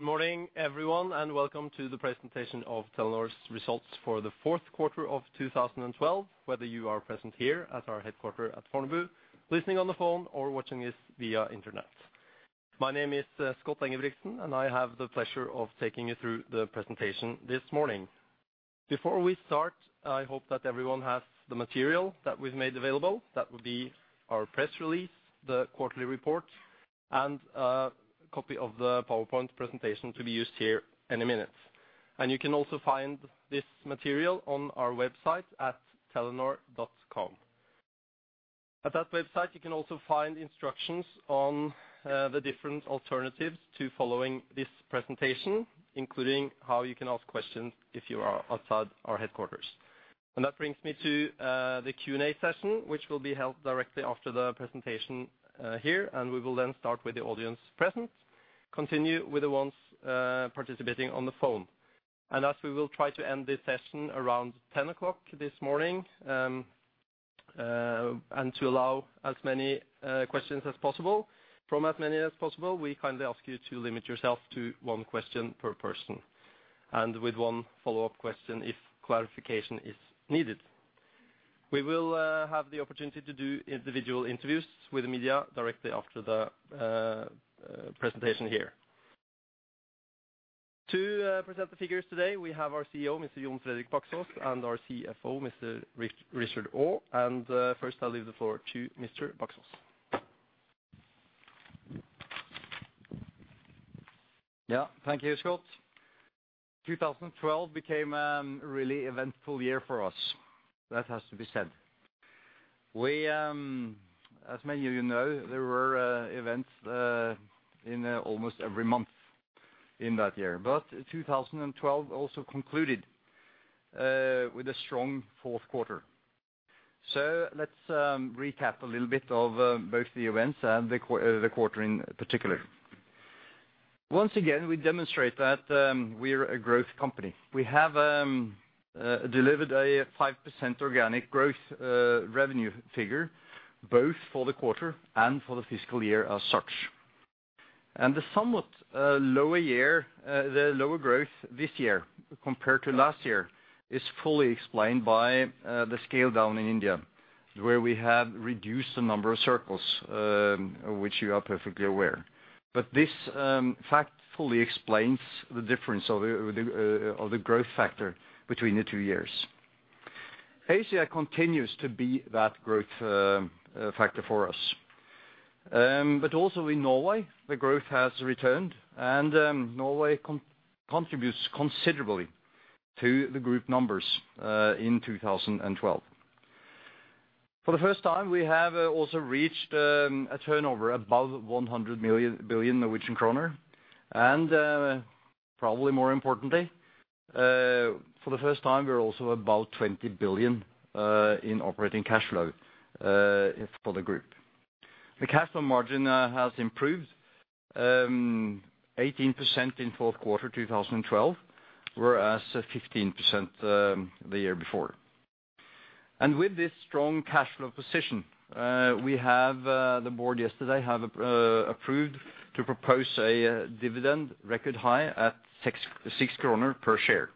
Good morning, everyone, and welcome to the presentation of Telenor's results for the Fourth Quarter of 2012, whether you are present here at our headquarters at Fornebu, listening on the phone, or watching us via internet. My name is Scott Engebretsen, and I have the pleasure of taking you through the presentation this morning. Before we start, I hope that everyone has the material that we've made available. That will be our press release, the quarterly report, and a copy of the PowerPoint presentation to be used here in a minute. You can also find this material on our website at Telenor.com. At that website, you can also find instructions on the different alternatives to following this presentation, including how you can ask questions if you are outside our headquarters. That brings me to the Q&A session, which will be held directly after the presentation here, and we will then start with the audience present, continue with the ones participating on the phone. And as we will try to end this session around 10:00 A.M. this morning, and to allow as many questions as possible from as many as possible, we kindly ask you to limit yourself to one question per person, and with one follow-up question if clarification is needed. We will have the opportunity to do individual interviews with the media directly after the presentation here. To present the figures today, we have our CEO, Mr. Jon Fredrik Baksaas, and our CFO, Mr. Richard Aa, and first, I'll leave the floor to Mr. Baksaas. Yeah. Thank you, Scott. 2012 became a really eventful year for us. That has to be said. We, as many of you know, there were events in almost every month in that year. But 2012 also concluded with a strong fourth quarter. So let's recap a little bit of both the events and the quarter in particular. Once again, we demonstrate that we're a growth company. We have delivered a 5% organic growth revenue figure, both for the quarter and for the fiscal year as such. And the somewhat lower year the lower growth this year compared to last year is fully explained by the scale down in India, where we have reduced the number of circles, which you are perfectly aware. But this fact fully explains the difference of the growth factor between the two years. Asia continues to be that growth factor for us. But also in Norway, the growth has returned, and Norway contributes considerably to the group numbers in 2012. For the first time, we have also reached a turnover above 100 billion Norwegian kroner. And probably more importantly, for the first time, we're also about 20 billion in operating cash flow for the group. The cash flow margin has improved 18% in fourth quarter 2012, whereas 15% the year before. With this strong cash flow position, we have the Board yesterday have approved to propose a dividend record high at 6.0 kroner per share.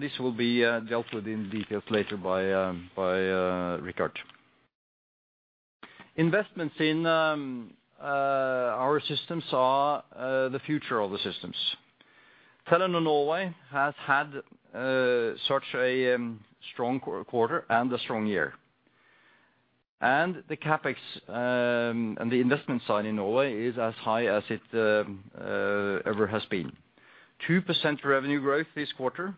This will be dealt with in details later by Richard. Investments in our systems are the future of the systems. Telenor Norway has had such a strong quarter and a strong year. The CapEx and the investment side in Norway is as high as it ever has been. 2% revenue growth this quarter,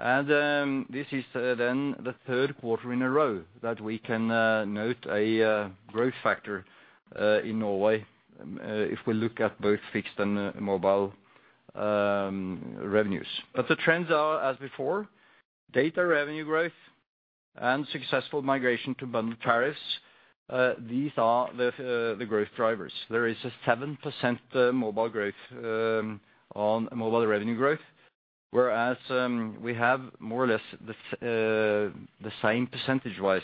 and this is then the third quarter in a row that we can note a growth factor in Norway, if we look at both fixed and mobile revenues. But the trends are as before, data revenue growth and successful migration to bundled tariffs. These are the growth drivers. There is 7% mobile growth on mobile revenue growth, whereas we have more or less the same percentage-wise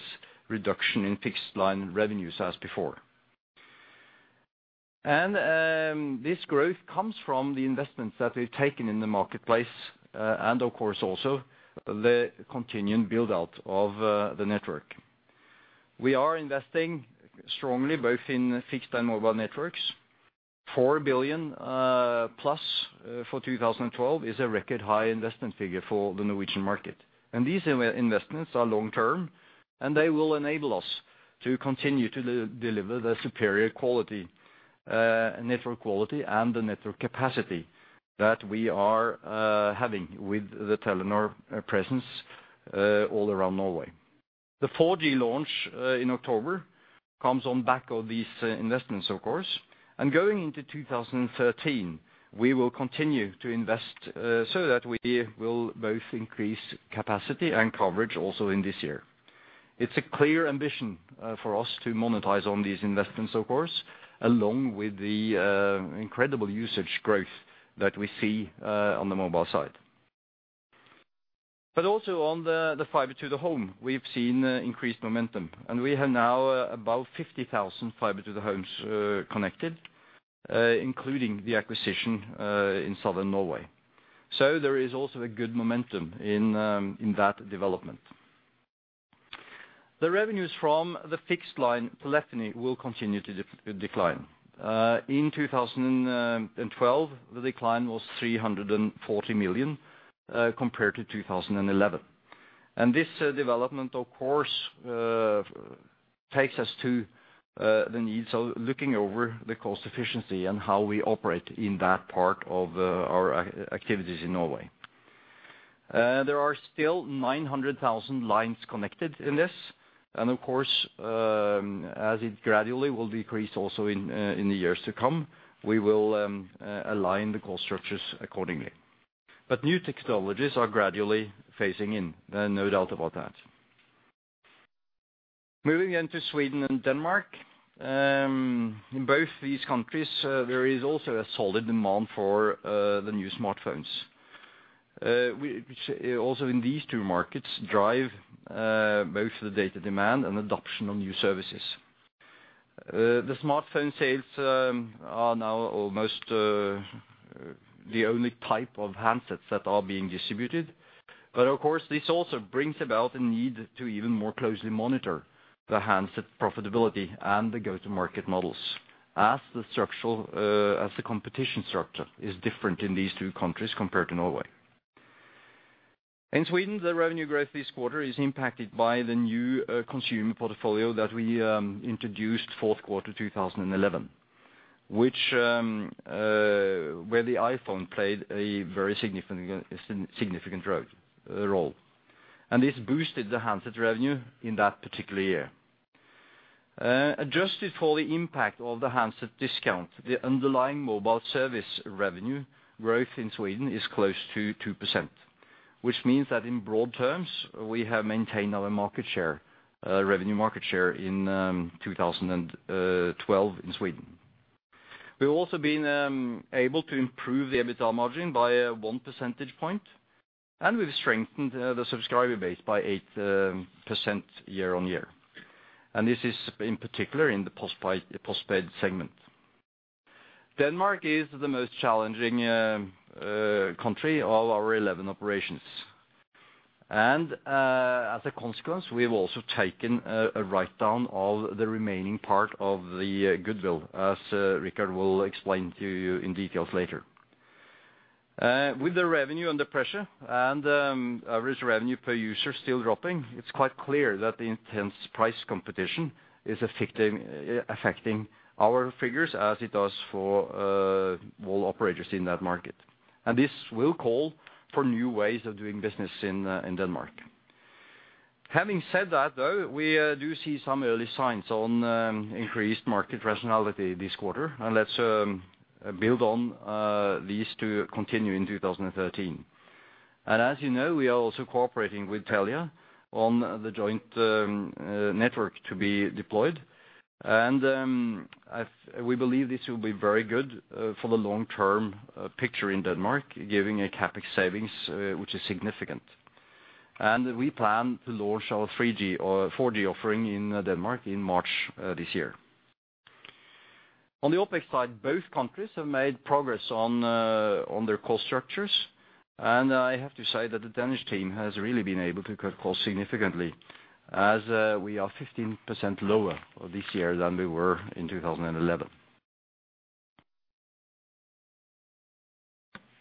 reduction in fixed line revenues as before. This growth comes from the investments that we've taken in the marketplace, and of course, also the continuing build out of the network. We are investing strongly both in fixed and mobile networks. 4 billion+ for 2012 is a record high investment figure for the Norwegian market. These investments are long-term, and they will enable us to continue to deliver the superior quality network quality and the network capacity that we are having with the Telenor presence all around Norway. The 4G launch in October comes on back of these investments, of course. And going into 2013, we will continue to invest, so that we will both increase capacity and coverage also in this year. It's a clear ambition for us to monetize on these investments, of course, along with the incredible usage growth that we see on the mobile side. But also on the fiber to the home, we've seen increased momentum, and we have now about 50,000 fiber to the homes connected, including the acquisition in southern Norway. So there is also a good momentum in that development. The revenues from the fixed line telephony will continue to decline. In 2012, the decline was 340 million compared to 2011. This development, of course, takes us to the needs of looking over the cost efficiency and how we operate in that part of our activities in Norway. There are still 900,000 lines connected in this, and of course, as it gradually will decrease also in the years to come, we will align the cost structures accordingly. New technologies are gradually phasing in, there are no doubt about that. Moving into Sweden and Denmark, in both these countries, there is also a solid demand for the new smartphones, which also in these two markets drive both the data demand and adoption of new services. The smartphone sales are now almost the only type of handsets that are being distributed. But of course, this also brings about the need to even more closely monitor the handset profitability and the go-to-market models, as the competition structure is different in these two countries compared to Norway. In Sweden, the revenue growth this quarter is impacted by the new consumer portfolio that we introduced fourth quarter 2011, which, where the iPhone played a very significant role. And this boosted the handset revenue in that particular year. Adjusted for the impact of the handset discount, the underlying mobile service revenue growth in Sweden is close to 2%, which means that in broad terms, we have maintained our market share, revenue market share in 2012 in Sweden. We've also been able to improve the EBITDA margin by one percentage point, and we've strengthened the subscriber base by 8% year-on-year. And this is in particular in the postpay, post-paid segment. Denmark is the most challenging country of our 11 operations. And, as a consequence, we have also taken a write-down of the remaining part of the goodwill, as Richard will explain to you in details later. With the revenue under pressure and average revenue per user still dropping, it's quite clear that the intense price competition is affecting, affecting our figures as it does for all operators in that market. And this will call for new ways of doing business in Denmark. Having said that, though, we do see some early signs of increased market rationality this quarter, and let's build on these to continue in 2013. As you know, we are also cooperating with Telia on the joint network to be deployed. We believe this will be very good for the long-term picture in Denmark, giving a CapEx savings which is significant. We plan to launch our 3G or 4G offering in Denmark in March this year. On the OpEx side, both countries have made progress on their cost structures, and I have to say that the Danish team has really been able to cut costs significantly, as we are 15% lower this year than we were in 2011.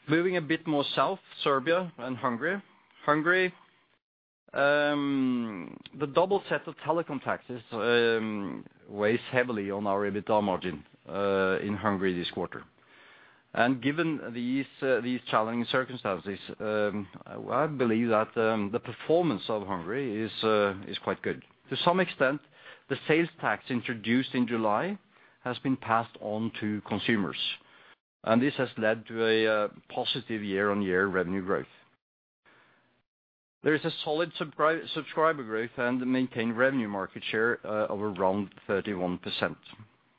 Moving a bit more south, Serbia and Hungary. Hungary, the double set of telecom taxes weighs heavily on our EBITDA margin in Hungary this quarter. Given these challenging circumstances, I believe that the performance of Hungary is quite good. To some extent, the sales tax introduced in July has been passed on to consumers, and this has led to a positive year-on-year revenue growth. There is a solid subscriber growth and maintained revenue market share of around 31%.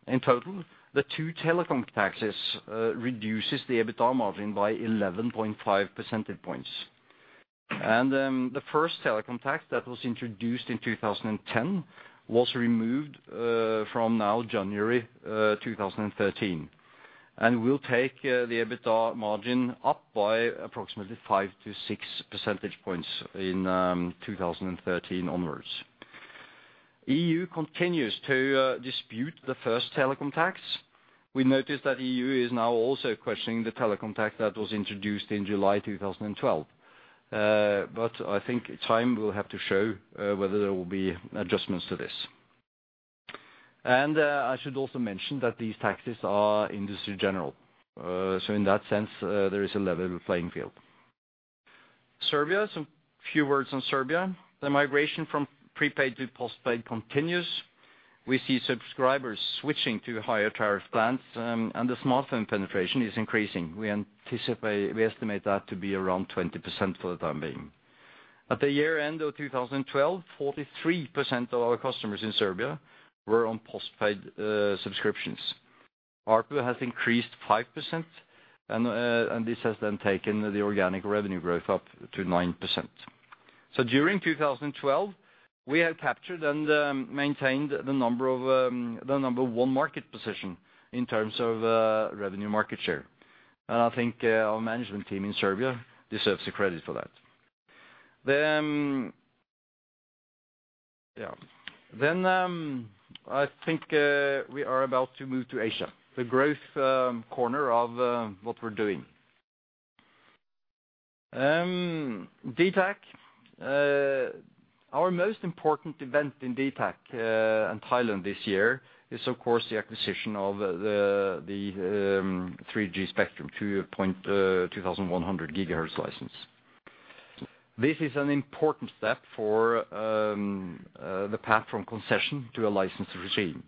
In total, the two telecom taxes reduces the EBITDA margin by 11.5 percentage points. The first telecom tax that was introduced in 2010 was removed from now, January 2013, and will take the EBITDA margin up by approximately 5-6 percentage points in 2013 onwards. EU continues to dispute the first telecom tax. We noticed that EU is now also questioning the telecom tax that was introduced in July 2012. But I think time will have to show whether there will be adjustments to this. And I should also mention that these taxes are industry general. So in that sense there is a level playing field. Serbia, some few words on Serbia. The migration from prepaid to postpaid continues. We see subscribers switching to higher tariff plans, and the smartphone penetration is increasing. We anticipate, we estimate that to be around 20% for the time being. At the year end of 2012, 43% of our customers in Serbia were on postpaid subscriptions. ARPU has increased 5%, and this has then taken the organic revenue growth up to 9%. So during 2012, we have captured and maintained the number one market position in terms of revenue market share. And I think our management team in Serbia deserves the credit for that. Then, yeah. Then, I think we are about to move to Asia, the growth corner of what we're doing. dtac, our most important event in dtac and Thailand this year is, of course, the acquisition of the 3G spectrum to 2.1 GHz license. This is an important step for the path from concession to a licensed regime.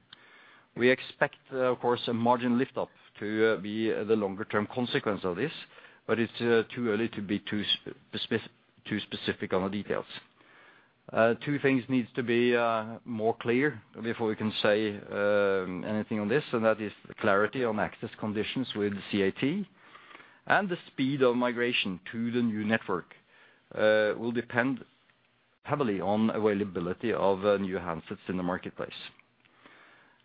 We expect, of course, a margin lift up to be the longer-term consequence of this, but it's too early to be too specific on the details. Two things needs to be more clear before we can say anything on this, and that is the clarity on access conditions with CAT. And the speed of migration to the new network will depend heavily on availability of new handsets in the marketplace.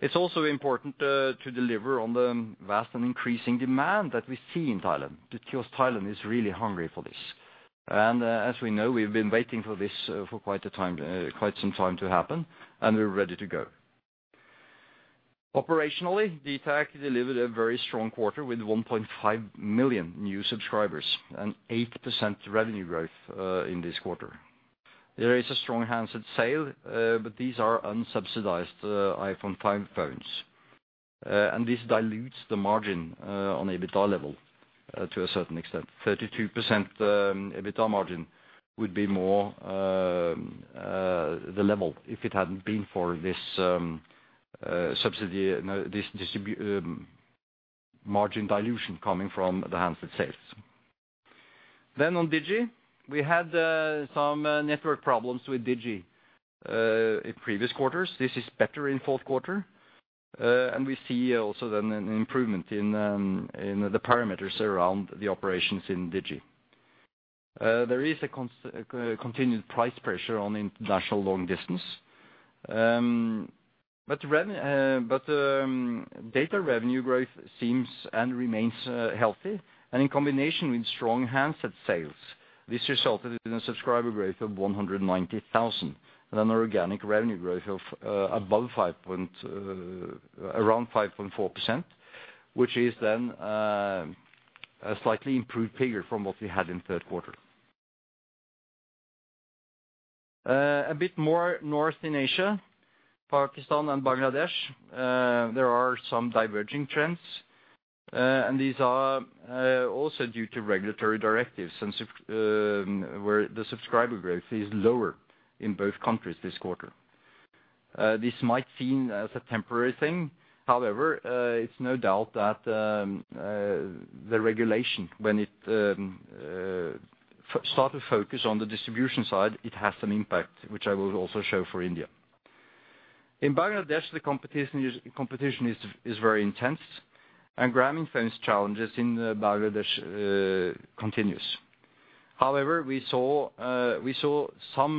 It's also important to deliver on the vast and increasing demand that we see in Thailand, because Thailand is really hungry for this. And as we know, we've been waiting for this for quite a time, quite some time to happen, and we're ready to go. Operationally, dtac delivered a very strong quarter with 1.5 million new subscribers and 8% revenue growth in this quarter. There is a strong handset sale, but these are unsubsidized iPhone 5 phones. And this dilutes the margin on EBITDA level to a certain extent. 32% EBITDA margin would be more the level if it hadn't been for this subsidy, no, this margin dilution coming from the handset sales. Then on DiGi, we had some network problems with DiGi in previous quarters. This is better in fourth quarter. And we see also then an improvement in the parameters around the operations in DiGi. There is a continued price pressure on international long distance. But data revenue growth seems and remains healthy, and in combination with strong handset sales, this resulted in a subscriber growth of 190,000, and an organic revenue growth of above 5, around 5.4%, which is then a slightly improved figure from what we had in third quarter. A bit more north in Asia, Pakistan and Bangladesh, there are some diverging trends, and these are also due to regulatory directives, and where the subscriber growth is lower in both countries this quarter. This might seem as a temporary thing. However, it's no doubt that, the regulation, when it start to focus on the distribution side, it has an impact, which I will also show for India. In Bangladesh, the competition is very intense, and Grameenphone's challenges in Bangladesh continues. However, we saw some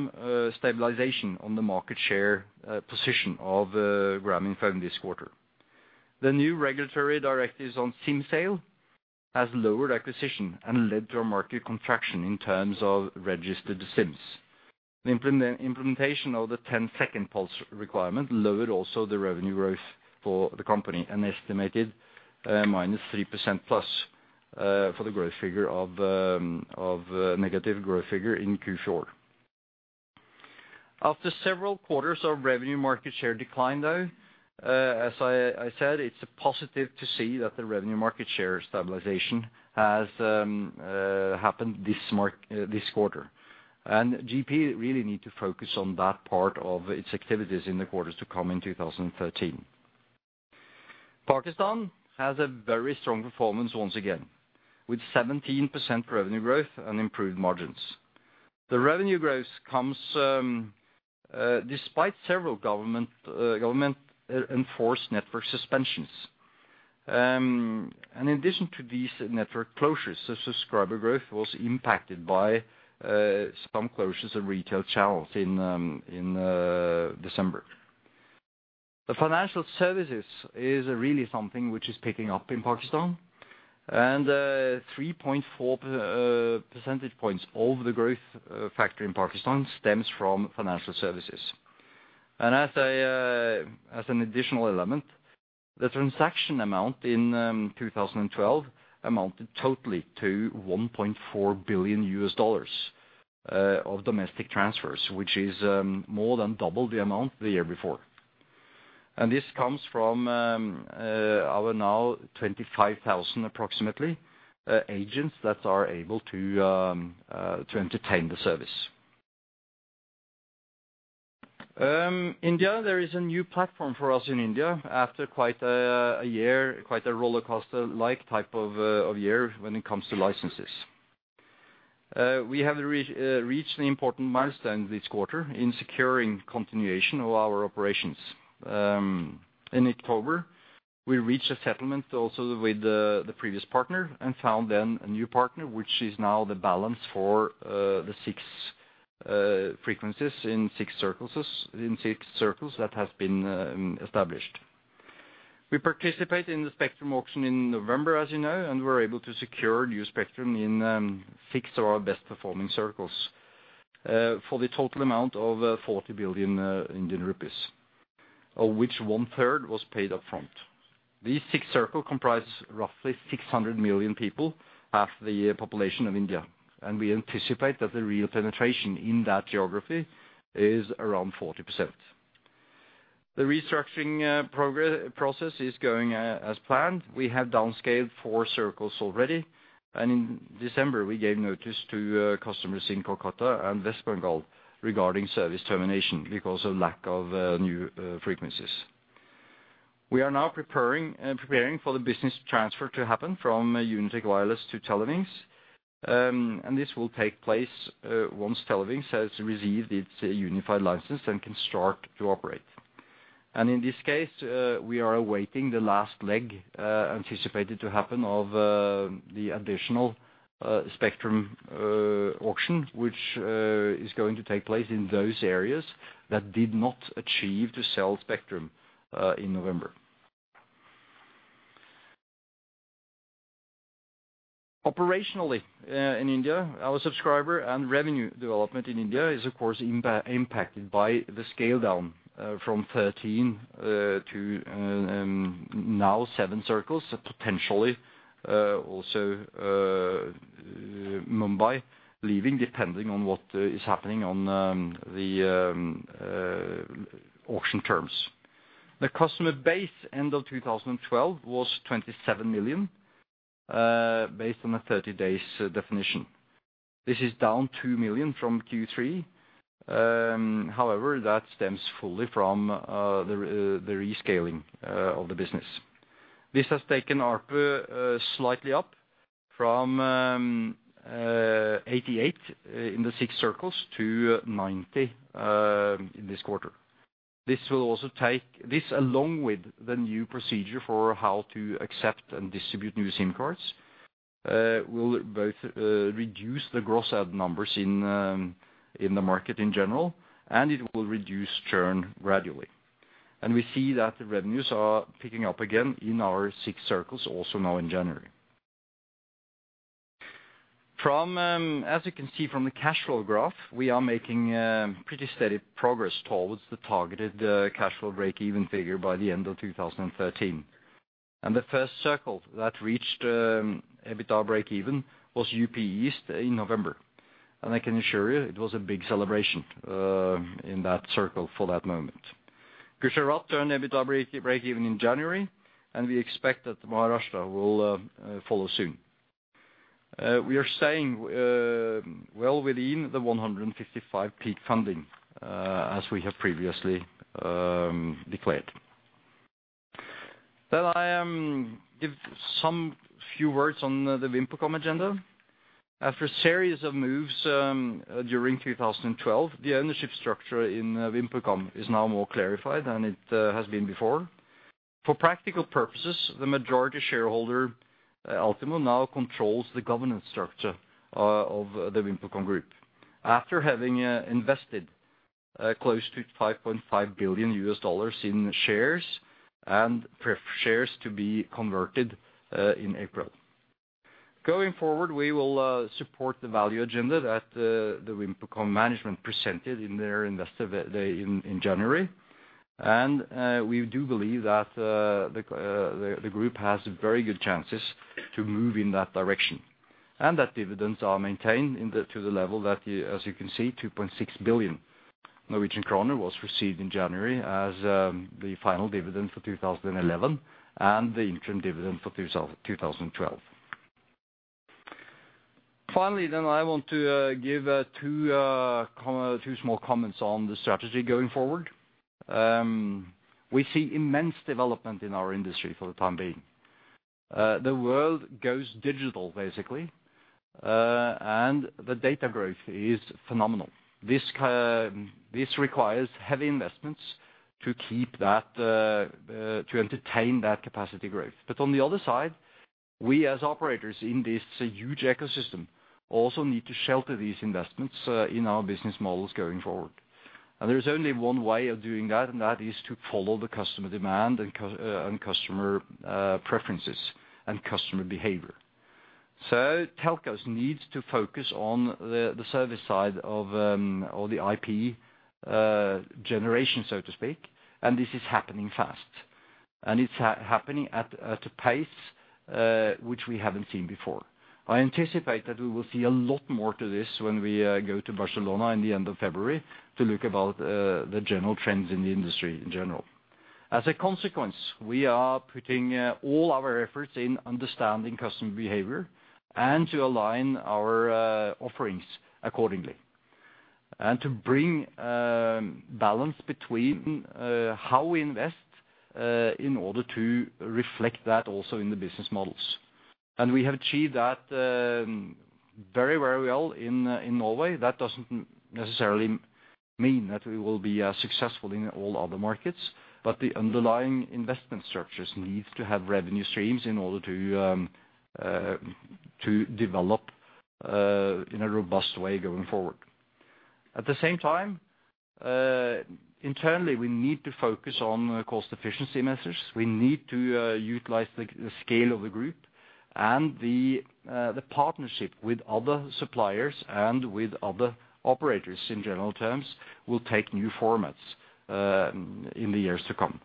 stabilization on the market share position of Grameenphone this quarter. The new regulatory directives on SIM sale has lowered acquisition and led to a market contraction in terms of registered SIMs. The implementation of the 10-second pulse requirement lowered also the revenue growth for the company, an estimated minus 3% plus for the growth figure of negative growth figure in Q4. After several quarters of revenue market share decline, though, as I said, it's a positive to see that the revenue market share stabilization has happened this quarter. GP really need to focus on that part of its activities in the quarters to come in 2013. Pakistan has a very strong performance once again, with 17% revenue growth and improved margins. The revenue growth comes despite several government-enforced network suspensions. In addition to these network closures, the subscriber growth was impacted by some closures of retail channels in December. The financial services is really something which is picking up in Pakistan, and 3.4 percentage points of the growth factor in Pakistan stems from financial services. As an additional element, the transaction amount in 2012 amounted totally to $1.4 billion of domestic transfers, which is more than double the amount the year before. And this comes from our now approximately 25,000 agents that are able to entertain the service. In India, there is a new platform for us in India after quite a year, quite a rollercoaster-like type of year when it comes to licenses. We have reached an important milestone this quarter in securing continuation of our operations. In October, we reached a settlement also with the previous partner and found then a new partner, which is now the balance for the six frequencies in six circles, in six circles that has been established. We participate in the Spectrum Auction in November, as you know, and we're able to secure new spectrum in 6 of our best performing circles. For the total amount of 40 billion Indian rupees, of which one third was paid up front. These six circles comprise roughly 600 million people, half the population of India, and we anticipate that the real penetration in that geography is around 40%. The restructuring process is going as planned. We have downscaled 4 circles already, and in December, we gave notice to customers in Kolkata and West Bengal regarding service termination because of lack of new frequencies. We are now preparing for the business transfer to happen from Unitech Wireless to Telewings, and this will take place once Telewings has received its unified license and can start to operate. In this case, we are awaiting the last leg, anticipated to happen of, the additional spectrum auction, which is going to take place in those areas that did not achieve to sell spectrum in November. Operationally, in India, our subscriber and revenue development in India is, of course, impacted by the scale down from 13 to now 7 circles, potentially also Mumbai leaving, depending on what is happening on the auction terms. The customer base, end of 2012, was 27 million based on a 30 days definition. This is down 2 million from Q3. However, that stems fully from the rescaling of the business. This has taken ARPU slightly up from 88 in the six circles to 90 in this quarter. This will also take, this, along with the new procedure for how to accept and distribute new SIM cards, will both reduce the gross add numbers in the market in general, and it will reduce churn gradually. We see that the revenues are picking up again in our six circles also now in January. From as you can see from the cash flow graph, we are making pretty steady progress towards the targeted cash flow break-even figure by the end of 2013. The first circle that reached EBITDA break-even was UP East in November. I can assure you, it was a big celebration in that circle for that moment. Gujarat turned EBITDA break-even in January, and we expect that Maharashtra will follow soon. We are staying well within the 15.5 peak funding as we have previously declared. Then I give some few words on the VimpelCom agenda. After a series of moves during 2012, the ownership structure in VimpelCom is now more clarified than it has been before. For practical purposes, the majority shareholder, Altimo, now controls the governance structure of the VimpelCom group. After having invested close to $5.5 billion in shares and pref shares to be converted in April. Going forward, we will support the value agenda that the VimpelCom management presented in their investor day in January. We do believe that the group has very good chances to move in that direction, and that dividends are maintained to the level that you, as you can see, 2.6 billion Norwegian kroner was received in January as the final dividend for 2011, and the interim dividend for 2012. Finally, I want to give two small comments on the strategy going forward. We see immense development in our industry for the time being. The world goes DiGital, basically, and the data growth is phenomenal. This requires heavy investments to keep that, to entertain that capacity growth. But on the other side, we, as operators in this huge ecosystem, also need to shelter these investments in our business models going forward. And there's only one way of doing that, and that is to follow the customer demand and customer preferences and customer behavior. So telcos needs to focus on the service side or the IP generation, so to speak, and this is happening fast. And it's happening at a pace which we haven't seen before. I anticipate that we will see a lot more to this when we go to Barcelona in the end of February to look about the general trends in the industry in general. As a consequence, we are putting all our efforts in understanding customer behavior and to align our offerings accordingly, and to bring balance between how we invest in order to reflect that also in the business models. We have achieved that very, very well in Norway. That doesn't necessarily mean that we will be successful in all other markets, but the underlying investment structures need to have revenue streams in order to to develop in a robust way going forward. At the same time, internally, we need to focus on cost efficiency measures. We need to utilize the scale of the group, and the partnership with other suppliers and with other operators, in general terms, will take new formats in the years to come.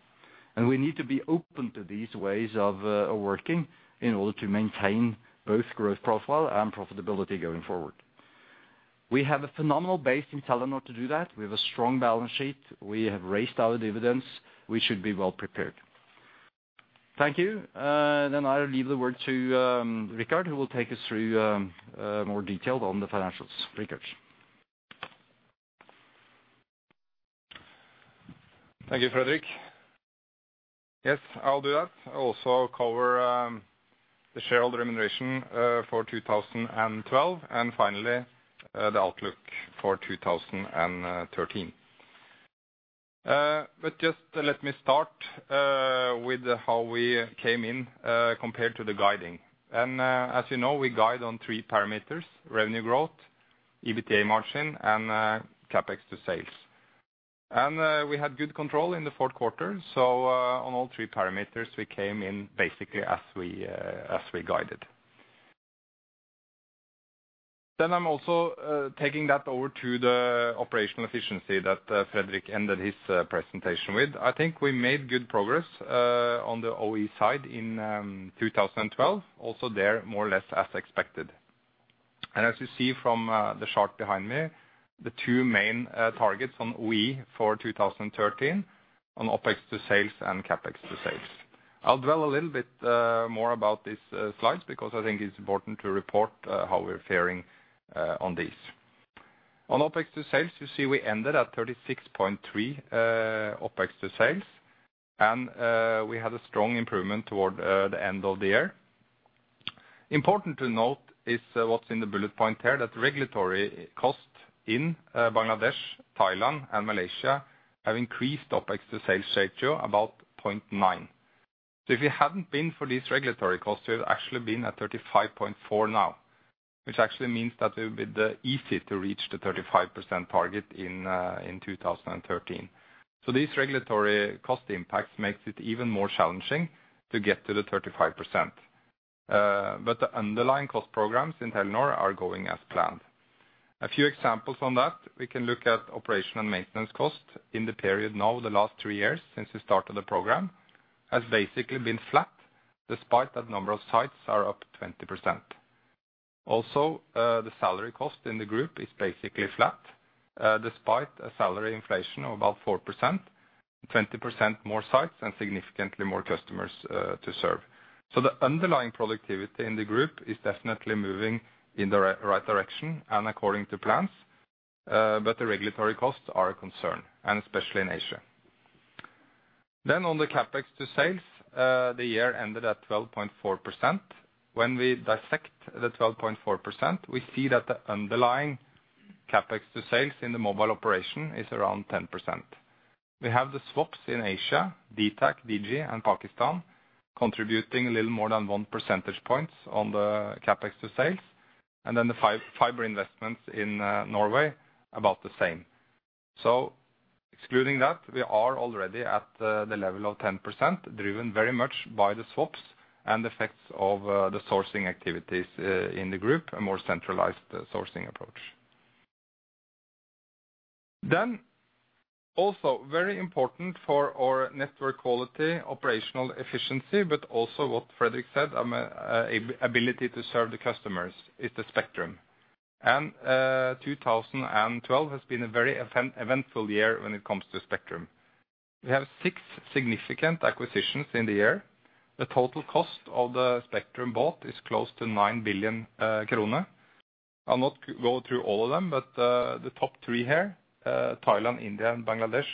And we need to be open to these ways of working in order to maintain both growth profile and profitability going forward. We have a phenomenal base in Telenor to do that. We have a strong balance sheet. We have raised our dividends. We should be well prepared. Thank you. Then I'll leave the word to Richard, who will take us through more detail on the financials. Richard? Thank you, Fredrik. Yes, I'll do that. I'll also cover the shareholder remuneration for 2012, and finally the outlook for 2013. But just let me start with how we came in compared to the guiding. As you know, we guide on three parameters: revenue growth, EBITDA margin, and CapEx to sales. We had good control in the fourth quarter, so on all three parameters, we came in basically as we guided. Then I'm also taking that over to the operational efficiency that Fredrik ended his presentation with. I think we made good progress on the OE side in 2012. Also there, more or less as expected. As you see from the chart behind me, the two main targets on OE for 2013, on OpEx to sales and CapEx to sales. I'll dwell a little bit more about these slides, because I think it's important to report how we're faring on these. On OpEx to sales, you see we ended at 36.3 OpEx to sales, and we had a strong improvement toward the end of the year. Important to note is what's in the bullet point here, that regulatory costs in Bangladesh, Thailand, and Malaysia have increased OpEx to sales ratio about 0.9. So if it hadn't been for these regulatory costs, we would actually been at 35.4 now, which actually means that it would be the easier to reach the 35% target in 2013. So these regulatory cost impacts makes it even more challenging to get to the 35%. But the underlying cost programs in Telenor are going as planned. A few examples on that, we can look at operation and maintenance costs in the period now, the last three years since the start of the program, has basically been flat, despite that number of sites are up 20%. Also, the salary cost in the group is basically flat, despite a salary inflation of about 4%, 20% more sites, and significantly more customers to serve. So the underlying productivity in the group is definitely moving in the right, right direction and according to plans, but the regulatory costs are a concern, and especially in Asia. Then on the CapEx to sales, the year ended at 12.4%. When we dissect the 12.4%, we see that the underlying CapEx to sales in the mobile operation is around 10%. We have the swaps in Asia, dtac, DiGi, and Pakistan, contributing a little more than one percentage points on the CapEx to sales, and then the fiber investments in, Norway, about the same. So excluding that, we are already at the level of 10%, driven very much by the swaps and the effects of, the sourcing activities, in the group, a more centralized sourcing approach. Then, also very important for our network quality, operational efficiency, but also what Fredrik said, the ability to serve the customers, is the spectrum. 2012 has been a very eventful year when it comes to spectrum. We have six significant acquisitions in the year. The total cost of the spectrum bought is close to 9 billion krone. I'll not go through all of them, but the top three here, Thailand, India, and Bangladesh,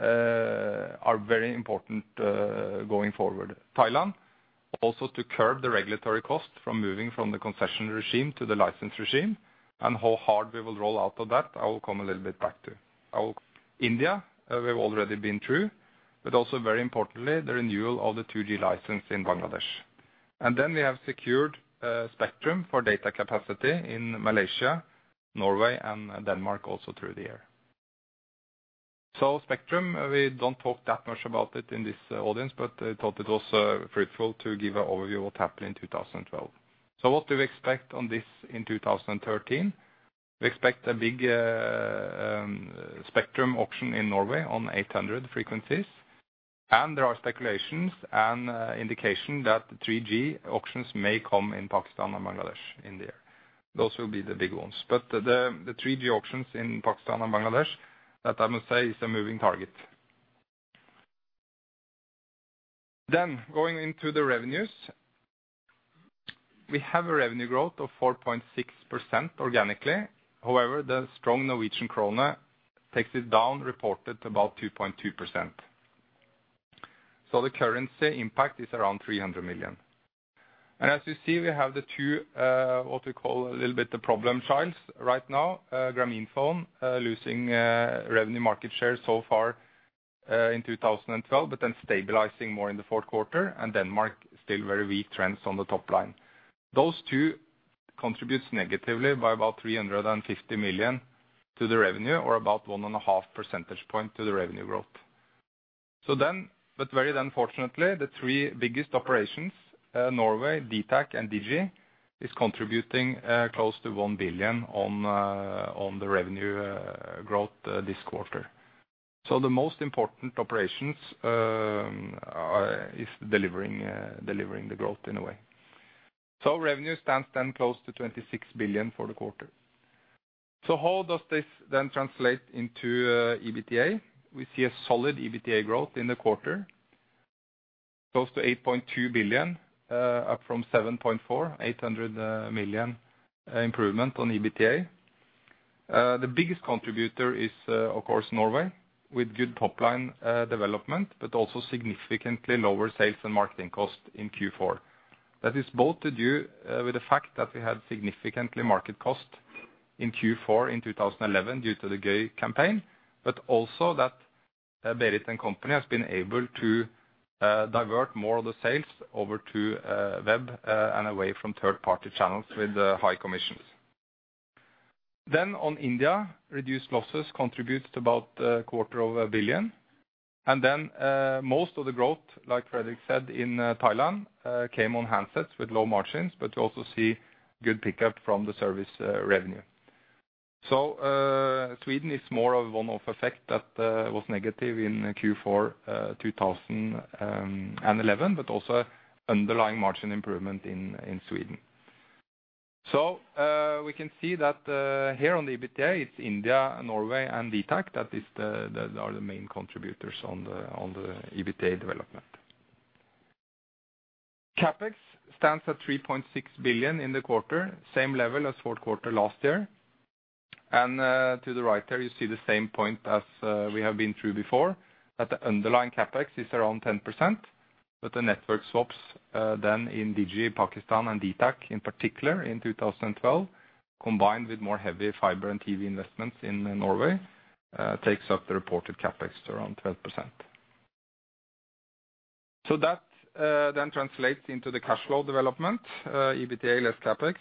are very important going forward. Thailand, also to curb the regulatory cost from moving from the concession regime to the license regime, and how hard we will roll out of that, I will come a little bit back to. I will... India, we've already been through, but also very importantly, the renewal of the 2G license in Bangladesh. And then we have secured spectrum for data capacity in Malaysia, Norway, and Denmark also through the year. So spectrum, we don't talk that much about it in this audience, but I thought it was fruitful to give an overview of what happened in 2012. So what do we expect on this in 2013? We expect a big spectrum auction in Norway on 800 frequencies, and there are speculations and indication that the 3G auctions may come in Pakistan and Bangladesh in the year. Those will be the big ones. But the 3G auctions in Pakistan and Bangladesh, that I must say, is a moving target. Then going into the revenues, we have a revenue growth of 4.6% organically. However, the strong Norwegian kroner takes it down, reported about 2.2%. So the currency impact is around 300 million. And as you see, we have the two, what we call a little bit the problem children right now, Grameenphone, losing revenue market share so far in 2012, but then stabilizing more in the fourth quarter, and Denmark, still very weak trends on the top line. Those two contributes negatively by about 350 million to the revenue, or about 1.5 percentage point to the revenue growth. So then, but very fortunately, the three biggest operations, Norway, dtac, and DiGi, is contributing close to 1 billion on the revenue growth this quarter. So the most important operations are delivering the growth in a way. So revenue stands then close to 26 billion for the quarter. So how does this then translate into EBITDA? We see a solid EBITDA growth in the quarter, close to 8.2 billion, up from 7.4 billion, 800 million improvement on EBITDA. The biggest contributor is, of course, Norway, with good top line development, but also significantly lower sales and marketing costs in Q4. That is both to do with the fact that we had significantly market cost in Q4 in 2011 due to the high campaign, but also that Berit and company has been able to divert more of the sales over to web and away from third-party channels with high commissions. Then on India, reduced losses contributes to about 250 million. Most of the growth, like Fredrik said, in Thailand, came on handsets with low margins, but we also see good pickup from the service revenue. So, Sweden is more of one-off effect that was negative in Q4 2011, but also underlying margin improvement in Sweden. So, we can see that here on the EBITDA, it's India, Norway, and dtac, that is the—that are the main contributors on the EBITDA development. CapEx stands at 3.6 billion in the quarter, same level as fourth quarter last year. To the right there, you see the same point as we have been through before, that the underlying CapEx is around 10%, but the network swaps then in DiGi, Pakistan, and dtac, in particular, in 2012, combined with more heavy fiber and TV investments in Norway, takes up the reported CapEx to around 12%. So that then translates into the cash flow development, EBITDA less CapEx.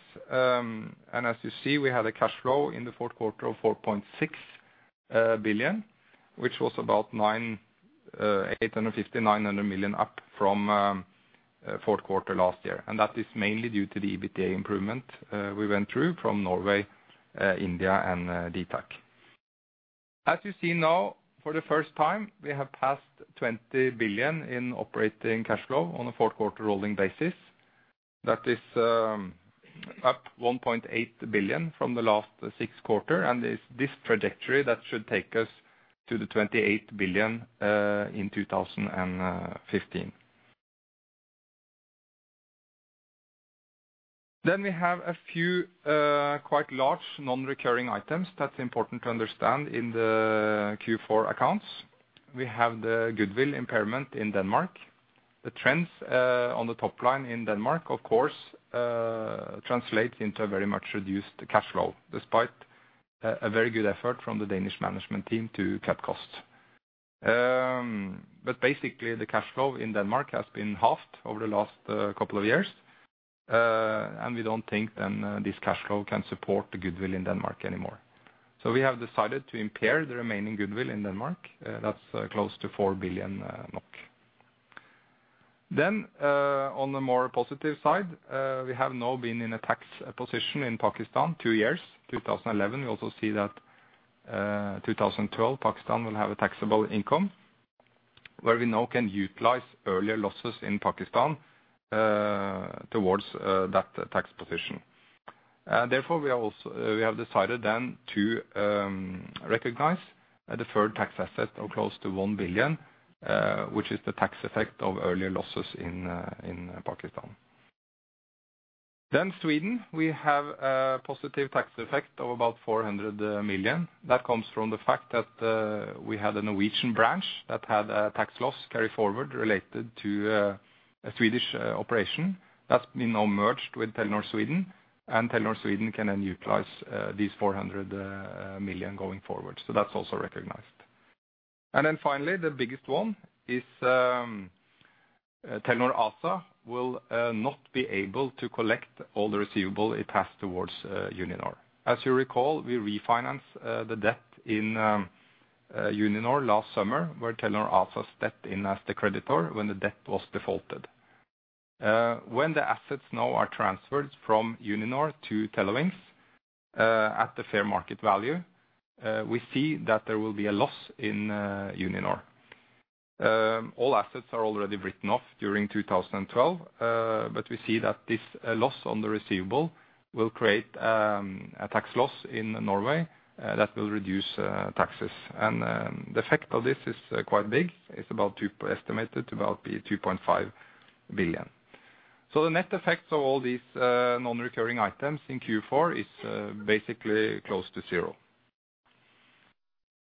And as you see, we had a cash flow in the fourth quarter of 4.6 billion, which was about 900 million up from fourth quarter last year. And that is mainly due to the EBITDA improvement we went through from Norway, India, and dtac. As you see now, for the first time, we have passed 20 billion in operating cash flow on a fourth quarter rolling basis. That is, up 1.8 billion from the last six quarter, and it's this trajectory that should take us to the 28 billion in 2015. Then we have a few quite large non-recurring items that's important to understand in the Q4 accounts. We have the goodwill impairment in Denmark. The trends on the top line in Denmark, of course, translate into a very much reduced cash flow, despite a very good effort from the Danish management team to cut costs. But basically, the cash flow in Denmark has been halved over the last couple of years, and we don't think then this cash flow can support the goodwill in Denmark anymore. So we have decided to impair the remaining goodwill in Denmark. That's close to 4 billion NOK. Then, on the more positive side, we have now been in a tax position in Pakistan two years, 2011. We also see that, 2012, Pakistan will have a taxable income, where we now can utilize earlier losses in Pakistan, towards that tax position. Therefore, we have decided then to recognize a deferred tax asset of close to 1 billion, which is the tax effect of earlier losses in Pakistan. Then Sweden, we have a positive tax effect of about 400 million. That comes from the fact that, we had a Norwegian branch that had a tax loss carry forward related to, a Swedish operation. That's been now merged with Telenor Sweden, and Telenor Sweden can then utilize these 400 million going forward. So that's also recognized. Then finally, the biggest one is, Telenor ASA will not be able to collect all the receivable it has toward Uninor. As you recall, we refinanced the debt in Uninor last summer, where Telenor ASA stepped in as the creditor when the debt was defaulted. When the assets now are transferred from Uninor to Telewings at the fair market value, we see that there will be a loss in Uninor. All assets are already written off during 2012, but we see that this loss on the receivable will create a tax loss in Norway that will reduce taxes. The effect of this is quite big. It's about estimated to be 2.5 billion. So the net effects of all these non-recurring items in Q4 is basically close to zero.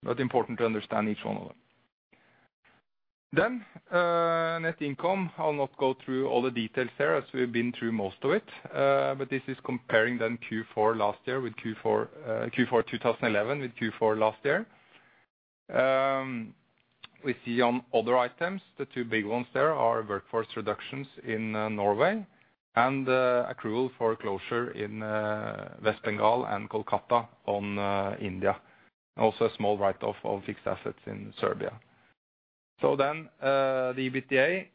But important to understand each one of them. Net income, I'll not go through all the details there, as we've been through most of it. But this is comparing Q4 last year with Q4 2011. We see on other items, the two big ones there are workforce reductions in Norway and accrual for closure in West Bengal and Kolkata in India. Also a small write-off of fixed assets in Serbia. The EBITDA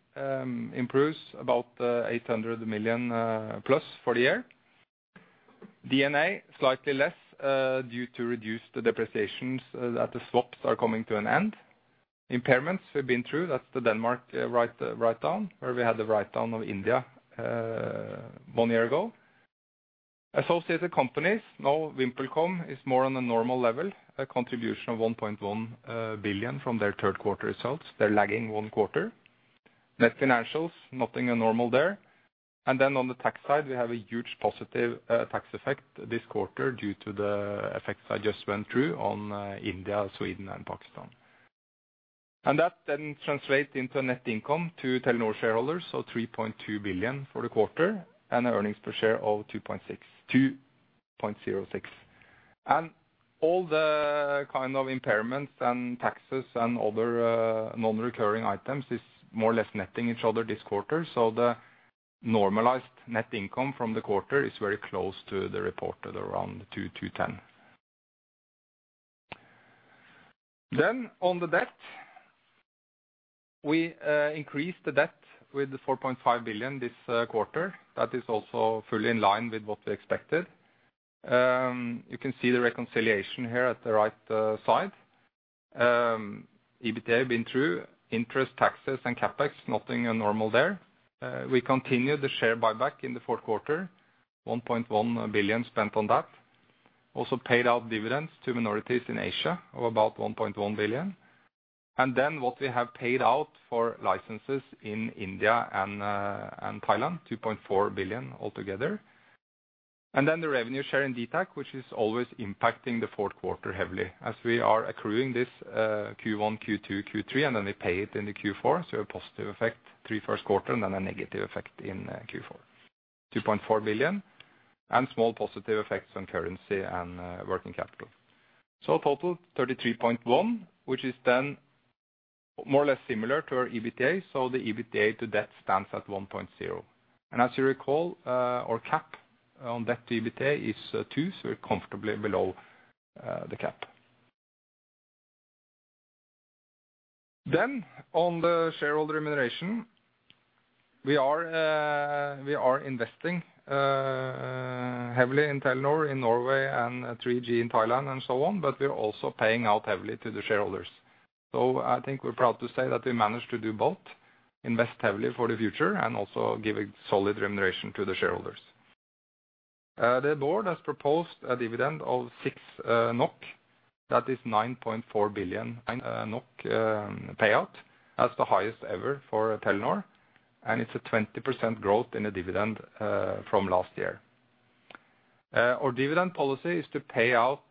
improves about 800 million plus for the year. D&A, slightly less, due to reduced depreciations, that the swaps are coming to an end. Impairments, we've been through, that's the Denmark write down, where we had the write down of India one year ago. Associated companies, now VimpelCom is more on a normal level, a contribution of 1.1 billion from their third quarter results. They're lagging one quarter. Net financials, nothing abnormal there. And then on the tax side, we have a huge positive tax effect this quarter due to the effects I just went through on India, Sweden, and Pakistan. And that then translates into a net income to Telenor shareholders, so 3.2 billion for the quarter, and earnings per share of 2.6, 2.06. All the kind of impairments and taxes and other, non-recurring items is more or less netting each other this quarter, so the normalized net income from the quarter is very close to the reported, around 3.2 billion. On the debt, we increased the debt with the 4.5 billion this quarter. That is also fully in line with what we expected. You can see the reconciliation here at the right side. EBITDA, been through. Interest, taxes, and CapEx, nothing abnormal there. We continued the share buyback in the fourth quarter, 1.1 billion spent on that. Also paid out dividends to minorities in Asia of about 1.1 billion. What we have paid out for licenses in India and Thailand, 2.4 billion altogether. Then the revenue share in dtac, which is always impacting the fourth quarter heavily, as we are accruing this, Q1, Q2, Q3, and then we pay it in the Q4, so a positive effect, the three first quarters, and then a negative effect in Q4. 2.4 billion, and small positive effects on currency and working capital. So total, 33.1 billion, which is then more or less similar to our EBITDA, so the EBITDA to debt stands at 1.0. And as you recall, our cap on debt to EBITDA is 2, so we're comfortably below the cap. Then, on the shareholder remuneration, we are investing heavily in Telenor, in Norway, and 3G in Thailand, and so on, but we are also paying out heavily to the shareholders. So I think we're proud to say that we managed to do both, invest heavily for the future and also give a solid remuneration to the shareholders. The Board has proposed a dividend of 6 NOK. That is 9.4 billion NOK payout. That's the highest ever for Telenor, and it's a 20% growth in the dividend from last year. Our dividend policy is to pay out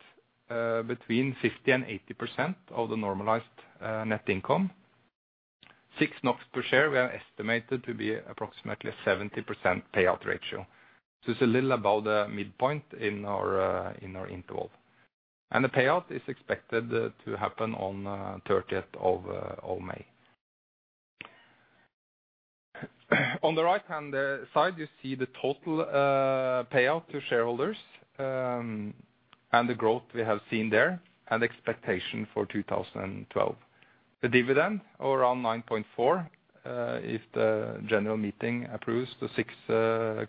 between 50%-80% of the normalized net income. 6 NOK per share, we are estimated to be approximately 70% payout ratio. So it's a little above the midpoint in our interval. And the payout is expected to happen on thirtieth of May. On the right-hand side, you see the total payout to shareholders, and the growth we have seen there, and expectation for 2012. The dividend around 9.4 billion, if the General Meeting approves the 6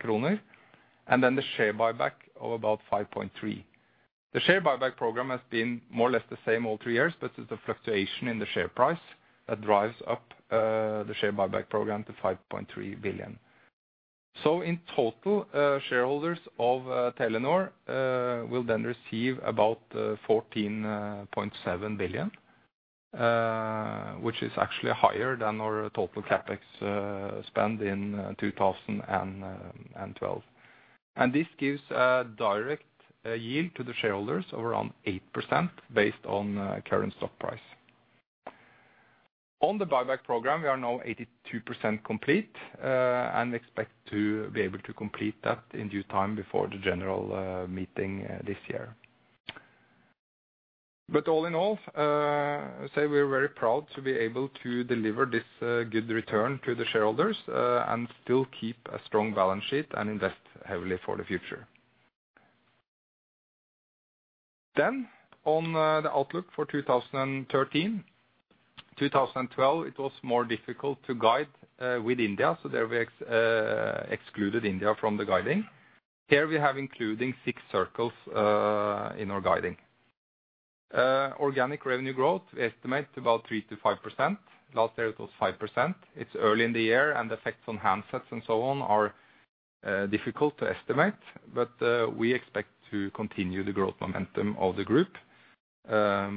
kroner, and then the share buyback of about 5.3 billion. The share buyback program has been more or less the same all three years, but there's a fluctuation in the share price that drives up the share buyback program to 5.3 billion. So in total, shareholders of Telenor will then receive about 14.7 billion, which is actually higher than our total CapEx spend in 2012. And this gives a direct yield to the shareholders of around 8%, based on current stock price. On the buyback program, we are now 82% complete, and expect to be able to complete that in due time before the General Meeting this year. But all in all, I'd say we are very proud to be able to deliver this good return to the shareholders, and still keep a strong balance sheet and invest heavily for the future. Then, on the outlook for 2013. 2012, it was more difficult to guide with India, so there we excluded India from the guiding. Here we have included six circles in our guiding. Organic revenue growth, we estimate about 3%-5%. Last year it was 5%. It's early in the year, and the effects on handsets and so on are difficult to estimate, but we expect to continue the growth momentum of the group,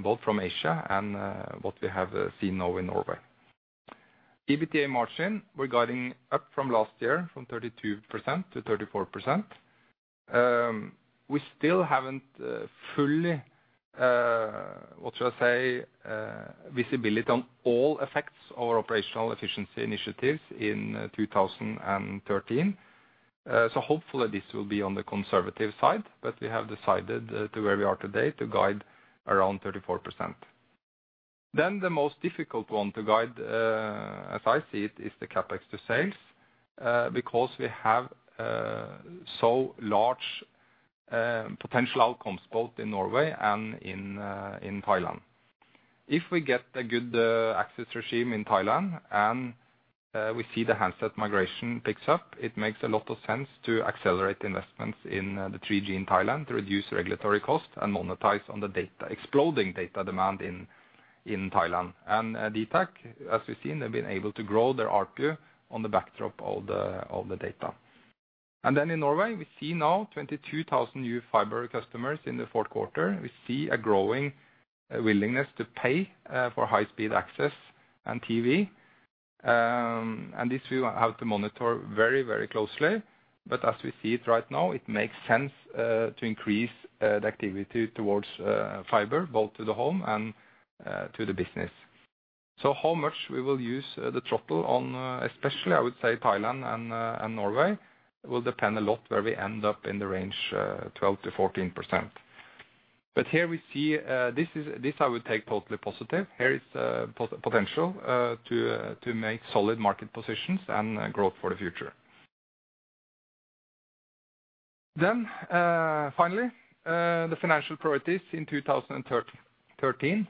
both from Asia and what we have seen now in Norway. EBITDA margin, we're guiding up from last year, from 32% to 34%. We still haven't full visibility on all effects of our operational efficiency initiatives in 2013. So hopefully this will be on the conservative side, but we have decided to where we are today to guide around 34%. Then, the most difficult one to guide, as I see it, is the CapEx to sales, because we have so large potential outcomes, both in Norway and in Thailand. If we get a good access regime in Thailand, and we see the handset migration picks up, it makes a lot of sense to accelerate investments in the 3G in Thailand, to reduce regulatory cost and monetize on the data, exploding data demand in Thailand. And dtac, as we've seen, they've been able to grow their ARPU on the backdrop of the data. And then in Norway, we see now 22,000 new fiber customers in the fourth quarter. We see a growing willingness to pay for high-speed access and TV. And this we will have to monitor very, very closely. But as we see it right now, it makes sense to increase the activity towards fiber, both to the home and to the business. So, how much we will use the throttle on, especially, I would say, Thailand and Norway, will depend a lot where we end up in the range 12%-14%. But here we see, this is, this I would take totally positive. Here is potential to make solid market positions and growth for the future. Then, finally, the financial priorities in 2013.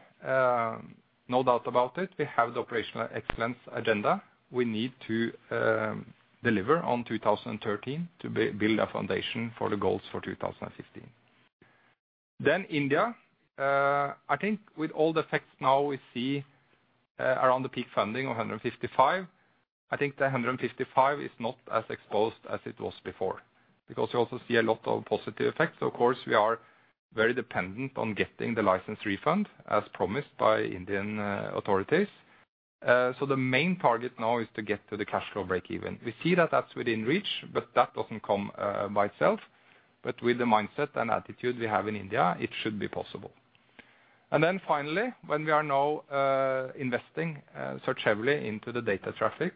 No doubt about it, we have the operational excellence agenda. We need to deliver on 2013 to build a foundation for the goals for 2015. Then India, I think with all the effects now we see around the peak funding of 15.5, I think the 15.5 is not as exposed as it was before, because we also see a lot of positive effects. Of course, we are very dependent on getting the license refund, as promised by Indian authorities. So the main target now is to get to the cash flow breakeven. We see that that's within reach, but that doesn't come by itself. But with the mindset and attitude we have in India, it should be possible. And then finally, when we are now investing so heavily into the data traffic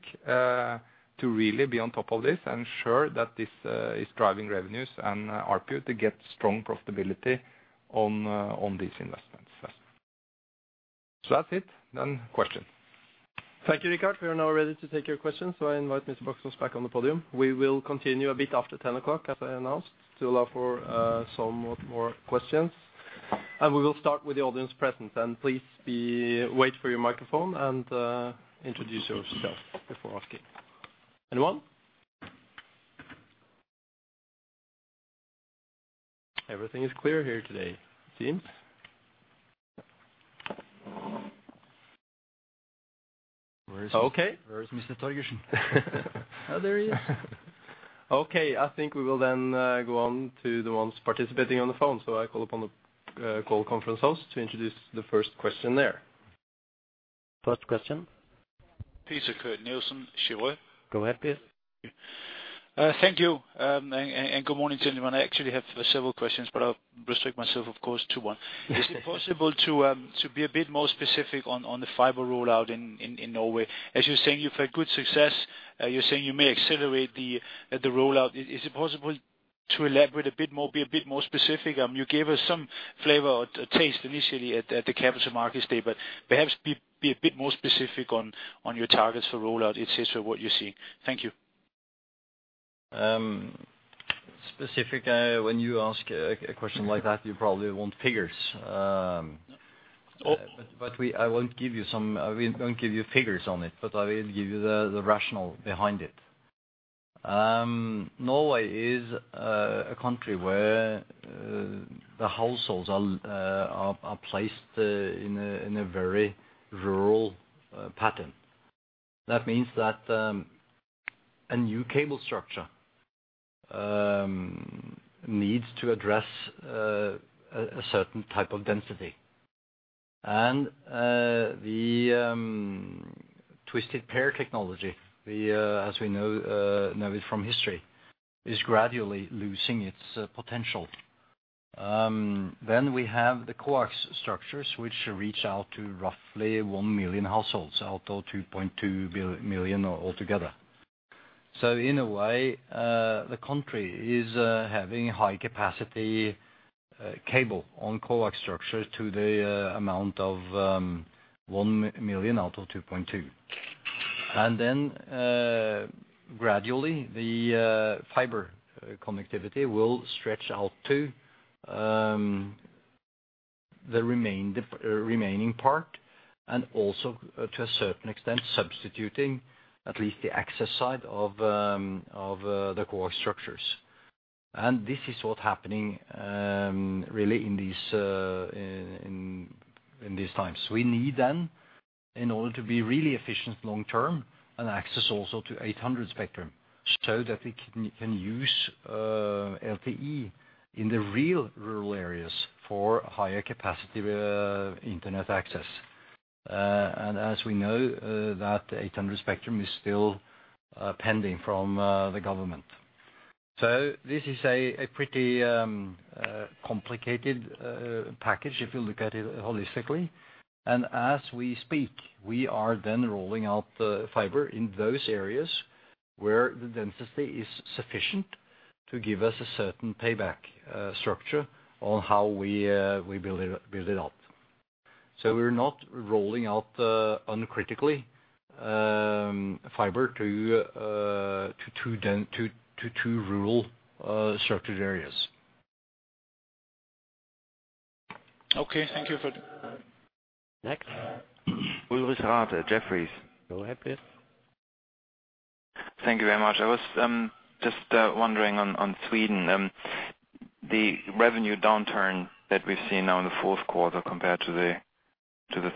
to really be on top of this and ensure that this is driving revenues and ARPU to get strong profitability on these investments. So that's it. Then question. Thank you, Richard. We are now ready to take your questions, so I invite Mr. Baksaas back on the podium. We will continue a bit after ten o'clock, as I announced, to allow for somewhat more questions. We will start with the audience present. Please wait for your microphone and introduce yourself before asking. Anyone? Everything is clear here today, it seems. Where is- Okay. Where is Mr. Torgersen? Oh, there he is. Okay, I think we will then go on to the ones participating on the phone. So I call upon the call conference host to introduce the first question there. First question. Peter Kurt Nielsen, Cheuvreux. Go ahead, please. Thank you, and good morning to everyone. I actually have several questions, but I'll restrict myself, of course, to one. Is it possible to be a bit more specific on the fiber rollout in Norway? As you're saying, you've had good success. You're saying you may accelerate the rollout. Is it possible to elaborate a bit more, be a bit more specific? You gave us some flavor or taste initially at the Capital Markets Day, but perhaps be a bit more specific on your targets for rollout, etc, what you see. Thank you. When you ask a question like that, you probably want figures. Oh- But we don't give you figures on it, but I will give you the rationale behind it. Norway is a country where the households are placed in a very rural pattern. That means that a new cable structure needs to address a certain type of density. And the twisted pair technology, as we know it from history, is gradually losing its potential. Then we have the coax structures, which reach out to roughly 1 million households, out of 2.2 million altogether. So in a way, the country is having high capacity cable on coax structures to the amount of 1 million out of 2.2. And then, gradually, the fiber connectivity will stretch out to the remaining part, and also to a certain extent, substituting at least the access side of the coax structures. And this is what is happening, really in these, in-... in these times. We need then, in order to be really efficient long term, an access also to 800 spectrum, so that we can use LTE in the real rural areas for higher capacity internet access. And as we know, that 800 spectrum is still pending from the government. So this is a pretty complicated package, if you look at it holistically. And as we speak, we are then rolling out the fiber in those areas where the density is sufficient to give us a certain payback structure on how we build it out. So we're not rolling out uncritically fiber to rural structured areas. Okay, thank you for that. Next, Ulrich Rathe, Jefferies. Go ahead, please. Thank you very much. I was just wondering on Sweden, the revenue downturn that we've seen now in the fourth quarter compared to the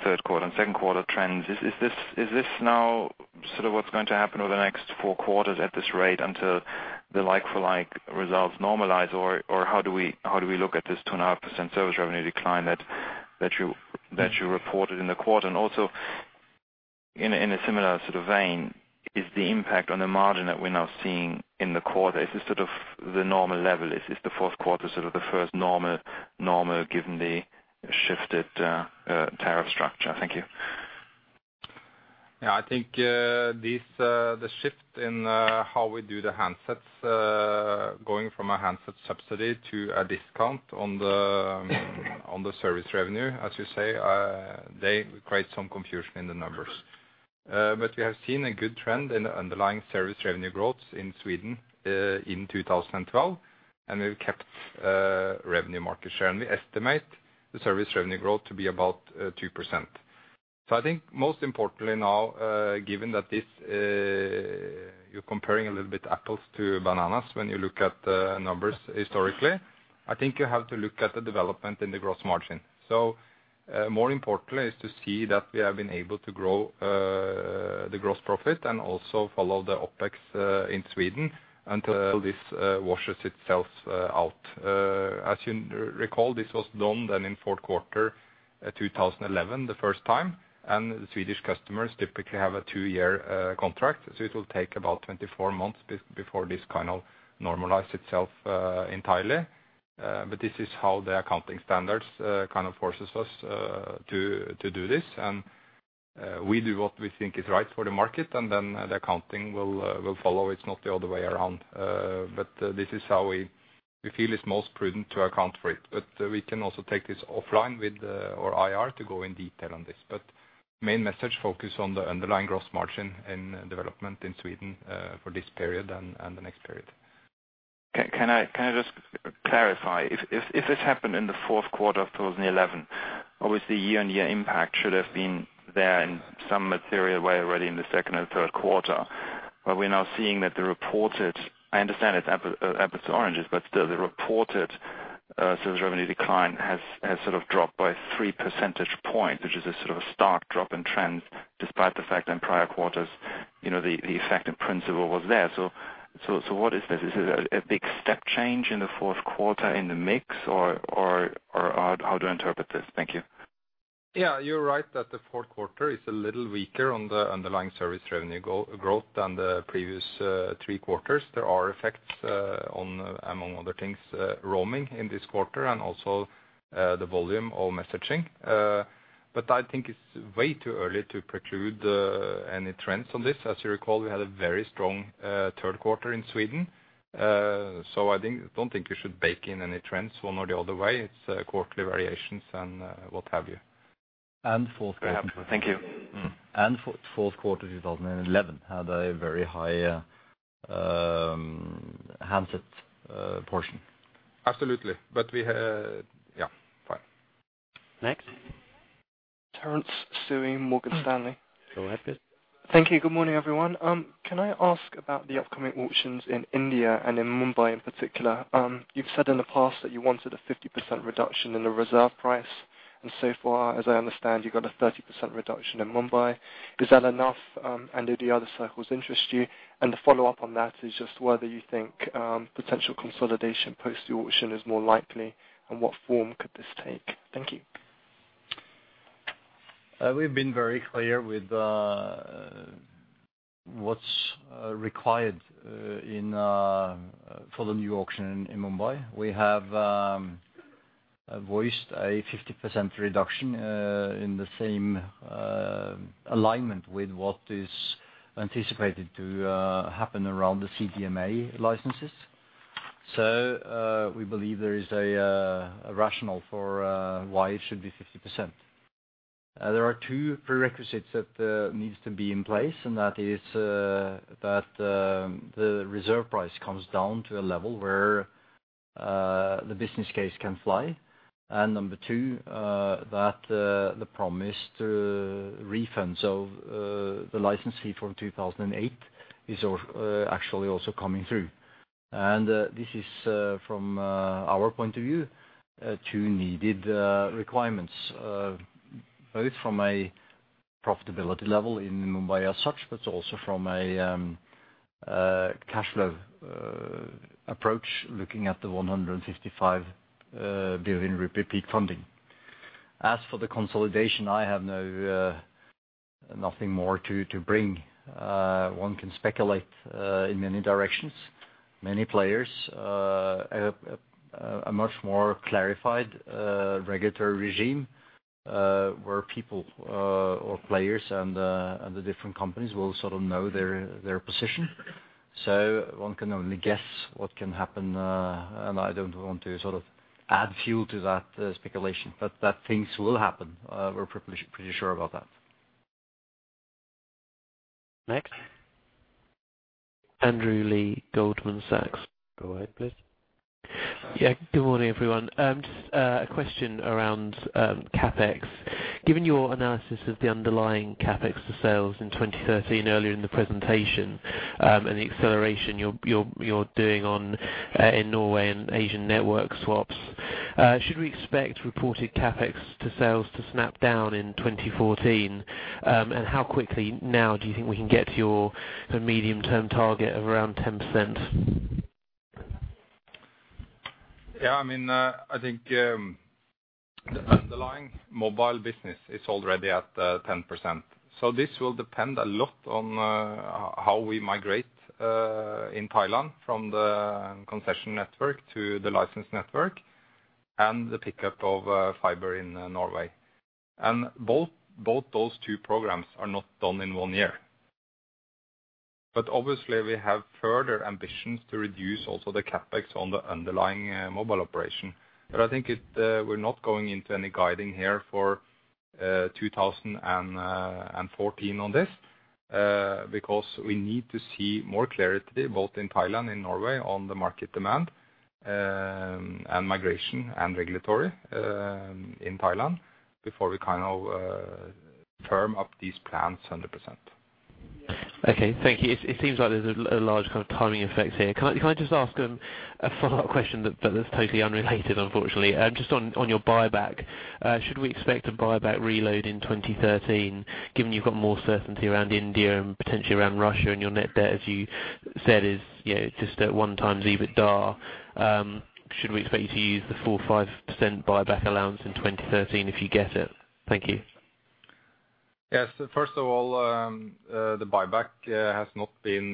third quarter and second quarter trends. Is this now sort of what's going to happen over the next 4 quarters at this rate until the like-for-like results normalize? Or how do we look at this 2.5% service revenue decline that you reported in the quarter? And also, in a similar sort of vein, is the impact on the margin that we're now seeing in the quarter sort of the normal level? Is the fourth quarter sort of the first normal given the shifted tariff structure? Thank you. Yeah, I think this the shift in how we do the handsets, going from a handset subsidy to a discount on the on the service revenue, as you say, they create some confusion in the numbers. But we have seen a good trend in the underlying service revenue growth in Sweden in 2012, and we've kept revenue market share. And we estimate the service revenue growth to be about 2%. So I think most importantly now, given that this you're comparing a little bit apples to bananas when you look at the numbers historically, I think you have to look at the development in the gross margin. More importantly, is to see that we have been able to grow the gross profit and also follow the OpEx in Sweden until this washes itself out. As you recall, this was done then in fourth quarter, 2011, the first time, and the Swedish customers typically have a two-year contract. It will take about 24 months before this kind of normalize itself entirely. But this is how the accounting standards kind of forces us to do this. We do what we think is right for the market, and then the accounting will follow. It's not the other way around, but this is how we feel is most prudent to account for it. But we can also take this offline with our IR to go in detail on this. But main message, focus on the underlying gross margin and development in Sweden for this period and, and the next period. Can I just clarify? If this happened in the fourth quarter of 2011, obviously, year-on-year impact should have been there in some material way already in the second and third quarter. But we're now seeing that the reported, I understand it's apples to oranges, but still, the reported service revenue decline has sort of dropped by 3 percentage points, which is a sort of a stark drop in trend, despite the fact in prior quarters, you know, the effect in principle was there. So what is this? Is it a big step change in the fourth quarter in the mix, or how to interpret this? Thank you. Yeah, you're right that the fourth quarter is a little weaker on the underlying service revenue growth than the previous three quarters. There are effects on, among other things, roaming in this quarter and also the volume of messaging. But I think it's way too early to preclude any trends on this. As you recall, we had a very strong third quarter in Sweden. So I don't think you should bake in any trends one or the other way. It's quarterly variations and what have you. Fourth quarter. Thank you. Fourth quarter 2011 had a very high handset portion. Absolutely. But we had... Yeah, fine. Next. Terje Svendsen, Morgan Stanley. Go ahead, please. Thank you. Good morning, everyone. Can I ask about the upcoming auctions in India and in Mumbai in particular? You've said in the past that you wanted a 50% reduction in the reserve price, and so far, as I understand, you got a 30% reduction in Mumbai. Is that enough? And do the other circles interest you? And the follow-up on that is just whether you think potential consolidation post the auction is more likely, and what form could this take? Thank you. We've been very clear with what's required in for the new auction in Mumbai. We have voiced a 50% reduction in the same alignment with what is anticipated to happen around the CDMA licenses. So, we believe there is a rationale for why it should be 50%. There are 2 prerequisites that needs to be in place, and that is that the reserve price comes down to a level where the business case can fly. And number 2, that the promised refunds of the license fee from 2008 is actually also coming through. And this is from our point of view 2 needed requirements.... both from a profitability level in Mumbai as such, but also from a cash flow approach, looking at the 15.5 billion rupee peak funding. As for the consolidation, I have nothing more to bring. One can speculate in many directions. Many players, a much more clarified regulatory regime, where people or players and the different companies will sort of know their position. So one can only guess what can happen, and I don't want to sort of add fuel to that speculation. But that things will happen, we're pretty sure about that. Next? Andrew Lee, Goldman Sachs. Go ahead, please. Yeah. Good morning, everyone. Just a question around CapEx. Given your analysis of the underlying CapEx to sales in 2013 earlier in the presentation, and the acceleration you're doing on in Norway and Asian network swaps, should we expect reported CapEx to sales to snap down in 2014? And how quickly now do you think we can get to your medium-term target of around 10%? Yeah, I mean, I think the underlying mobile business is already at 10%. So this will depend a lot on how we migrate in Thailand from the concession network to the license network and the pickup of fiber in Norway. And both, both those two programs are not done in one year. But obviously, we have further ambitions to reduce also the CapEx on the underlying mobile operation. But I think it, we're not going into any guiding here for 2014 on this because we need to see more clarity, both in Thailand and Norway, on the market demand and migration and regulatory in Thailand, before we kind of firm up these plans 100%. Okay, thank you. It seems like there's a large kind of timing effect here. Can I just ask a follow-up question that is totally unrelated, unfortunately? Just on your buyback, should we expect a buyback reload in 2013, given you've got more certainty around India and potentially around Russia, and your net debt, as you said, is, you know, just at 1x EBITDA. Should we expect you to use the full 5% buyback allowance in 2013 if you get it? Thank you. Yes. First of all, the buyback has not been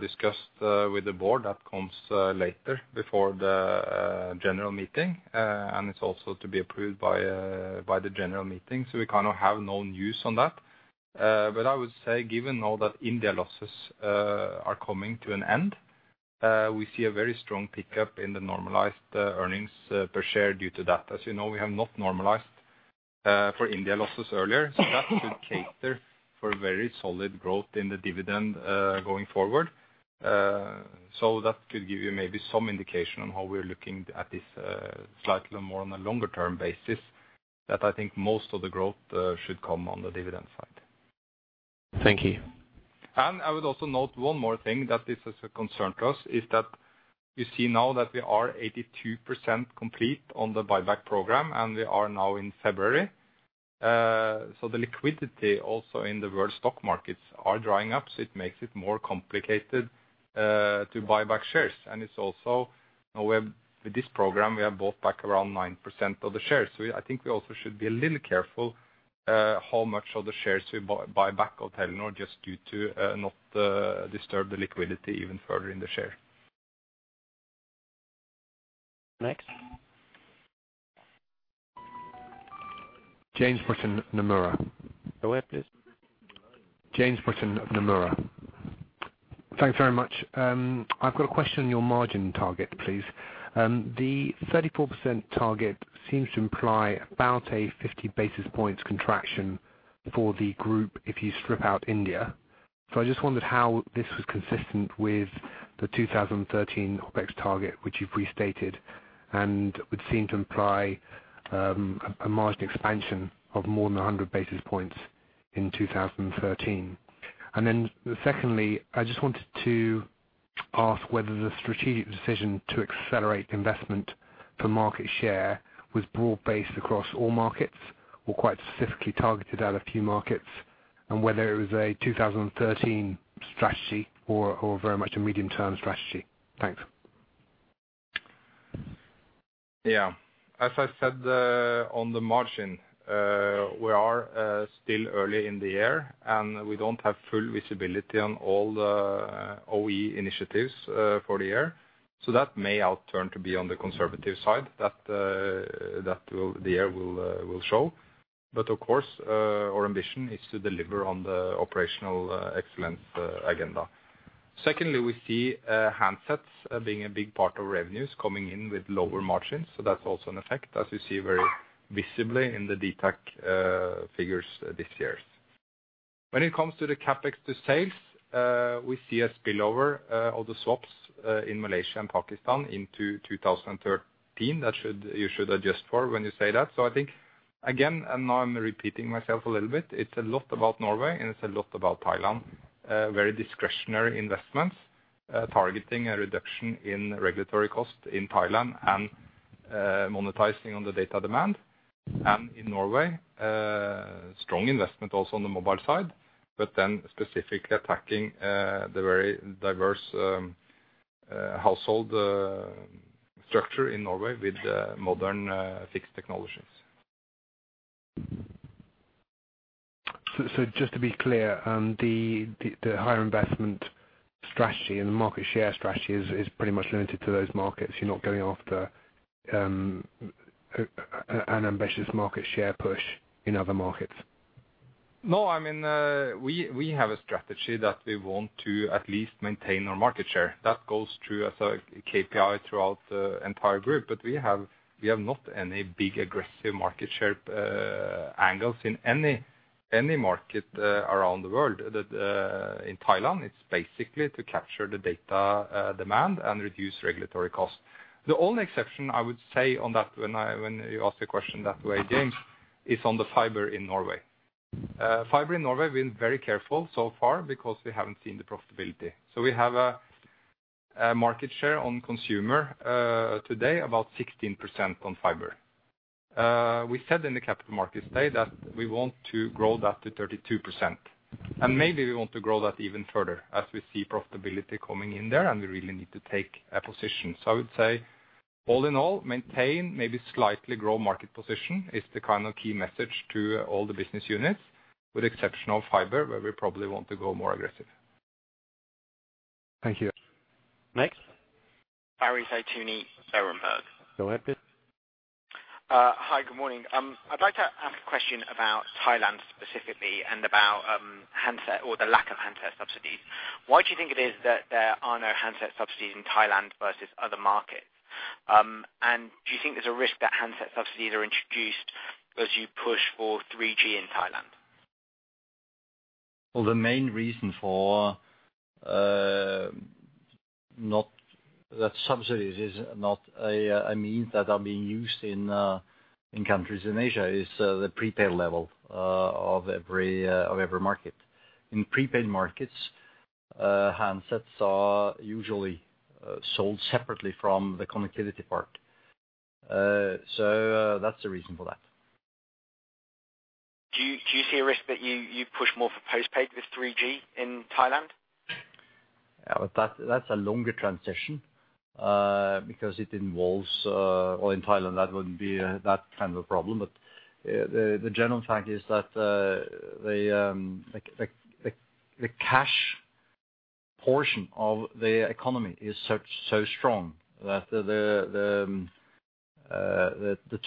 discussed with the Board. That comes later before the General Meeting, and it's also to be approved by the General Meeting, so we kind of have no news on that. But I would say, given all that India losses are coming to an end, we see a very strong pickup in the normalized earnings per share due to that. As you know, we have not normalized for India losses earlier, so that should cater for a very solid growth in the dividend going forward. So that could give you maybe some indication on how we're looking at this slightly more on a longer-term basis, that I think most of the growth should come on the dividend side. Thank you. And I would also note one more thing, that this is a concern to us, is that you see now that we are 82% complete on the buyback program, and we are now in February. So the liquidity also in the world stock markets are drying up, so it makes it more complicated to buy back shares. And it's also, with this program, we have bought back around 9% of the shares. So I think we also should be a little careful how much of the shares we buy back of Telenor, just due to not disturb the liquidity even further in the share. Next? James Britton, Nomura. Go ahead, please. James Britton of Nomura. Thanks very much. I've got a question on your margin target, please. The 34% target seems to imply about a 50 basis points contraction for the group if you strip out India. So I just wondered how this was consistent with the 2013 OpEx target, which you've restated, and would seem to imply a margin expansion of more than 100 basis points in 2013. And then secondly, I just wanted to ask whether the strategic decision to accelerate investment for market share was broad-based across all markets, or quite specifically targeted at a few markets, and whether it was a 2013 strategy or, or very much a medium-term strategy? Thanks. Yeah. As I said, on the margin, we are still early in the year, and we don't have full visibility on all the OE initiatives for the year. So that may outturn to be on the conservative side, that the year will show. But of course, our ambition is to deliver on the operational excellence agenda. Secondly, we see handsets being a big part of revenues coming in with lower margins, so that's also an effect, as you see very visibly in the dtac figures this year. When it comes to the CapEx to sales, we see a spillover of the swaps in Malaysia and Pakistan into 2013. That should - you should adjust for when you say that. So I think, again, and now I'm repeating myself a little bit, it's a lot about Norway, and it's a lot about Thailand, very discretionary investments, targeting a reduction in regulatory cost in Thailand and, monetizing on the data demand. And in Norway, strong investment also on the mobile side, but then specifically attacking, the very diverse, household structure in Norway with, modern fixed technologies. So just to be clear, the higher investment strategy and the market share strategy is pretty much limited to those markets. You're not going after an ambitious market share push in other markets? No, I mean, we have a strategy that we want to at least maintain our market share. That goes through as a KPI throughout the entire group, but we have not any big aggressive market share angles in any market around the world. That in Thailand, it's basically to capture the data demand and reduce regulatory costs. The only exception I would say on that when you ask the question that way, James, is on the fiber in Norway. Fiber in Norway, we're very careful so far because we haven't seen the profitability. So we have a market share on consumer today, about 16% on fiber. We said in the Capital Markets Day that we want to grow that to 32%, and maybe we want to grow that even further as we see profitability coming in there, and we really need to take a position. So I would say, all in all, maintain, maybe slightly grow market position is the kind of key message to all the business units, with exception on fiber, where we probably want to go more aggressive. Thank you. Next? Barry Sheridan, Berenberg. Go ahead, please. Hi, good morning. I'd like to ask a question about Thailand specifically and about handset or the lack of handset subsidies. Why do you think it is that there are no handset subsidies in Thailand versus other markets? And do you think there's a risk that handset subsidies are introduced as you push for 3G in Thailand? Well, the main reason that subsidies is not a means that are being used in countries in Asia is the prepaid level of every market. In prepaid markets, handsets are usually sold separately from the connectivity part. So that's the reason for that. Do you see a risk that you push more for postpaid with 3G in Thailand? Yeah, but that's a longer transition because it involves well, in Thailand, that wouldn't be that kind of a problem. But the general fact is that like, the cash portion of the economy is such so strong that the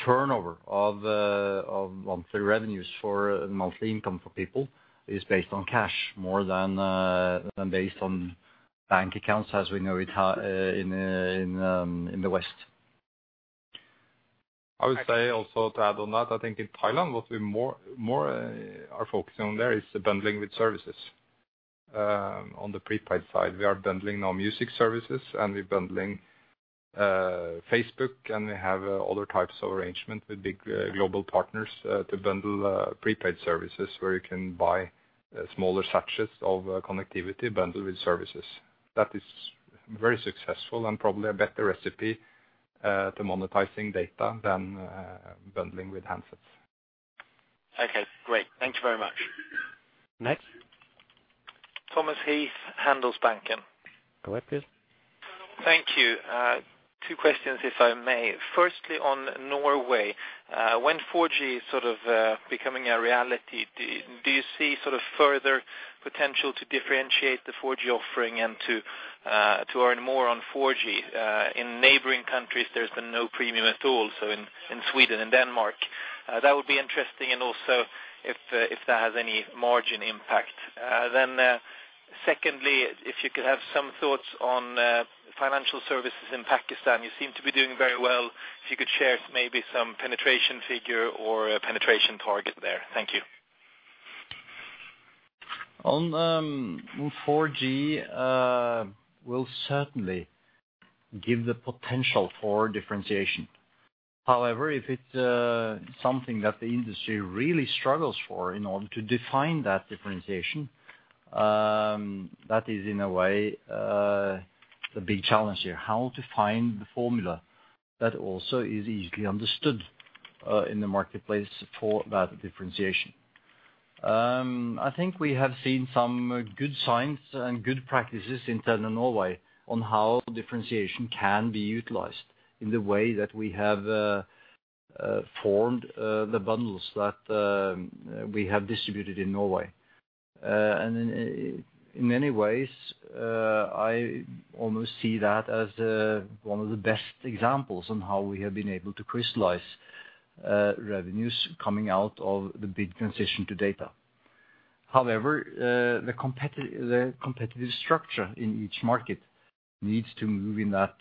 turnover of monthly revenues for monthly income for people is based on cash more than than based on bank accounts, as we know it in the West. I would say also to add on that, I think in Thailand, what we more are focusing on there is the bundling with services. On the prepaid side, we are bundling our music services, and we're bundling Facebook, and we have other types of arrangement with big global partners to bundle prepaid services, where you can buy smaller sachets of connectivity bundled with services. That is very successful and probably a better recipe to monetizing data than bundling with handsets. Okay, great. Thank you very much. Next. Thomas Heath, Handelsbanken. Go ahead, please. Thank you. Two questions, if I may. Firstly, on Norway, when 4G is sort of becoming a reality, do you see sort of further potential to differentiate the 4G offering and to earn more on 4G? In neighboring countries, there's been no premium at all, so in Sweden and Denmark. That would be interesting and also if that has any margin impact. Then secondly, if you could have some thoughts on financial services in Pakistan, you seem to be doing very well. If you could share maybe some penetration figure or a penetration target there. Thank you. Well, 4G will certainly give the potential for differentiation. However, if it's something that the industry really struggles for in order to define that differentiation, that is, in a way, the big challenge here, how to find the formula that also is easily understood in the marketplace for that differentiation. I think we have seen some good signs and good practices in Telenor Norway on how differentiation can be utilized in the way that we have formed the bundles that we have distributed in Norway. And in many ways, I almost see that as one of the best examples on how we have been able to crystallize revenues coming out of the big transition to data. However, the competitive structure in each market needs to move in that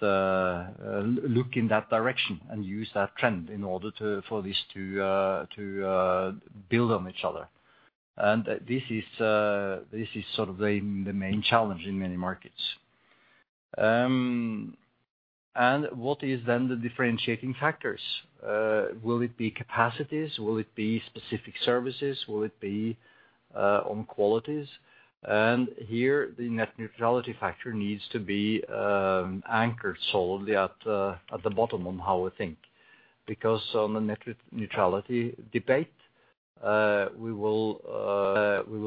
direction and use that trend in order to, for this to build on each other. And this is sort of the main challenge in many markets. And what is then the differentiating factors? Will it be capacities? Will it be specific services? Will it be on qualities? And here, the net neutrality factor needs to be anchored solidly at the bottom on how we think. Because on the net neutrality debate, we will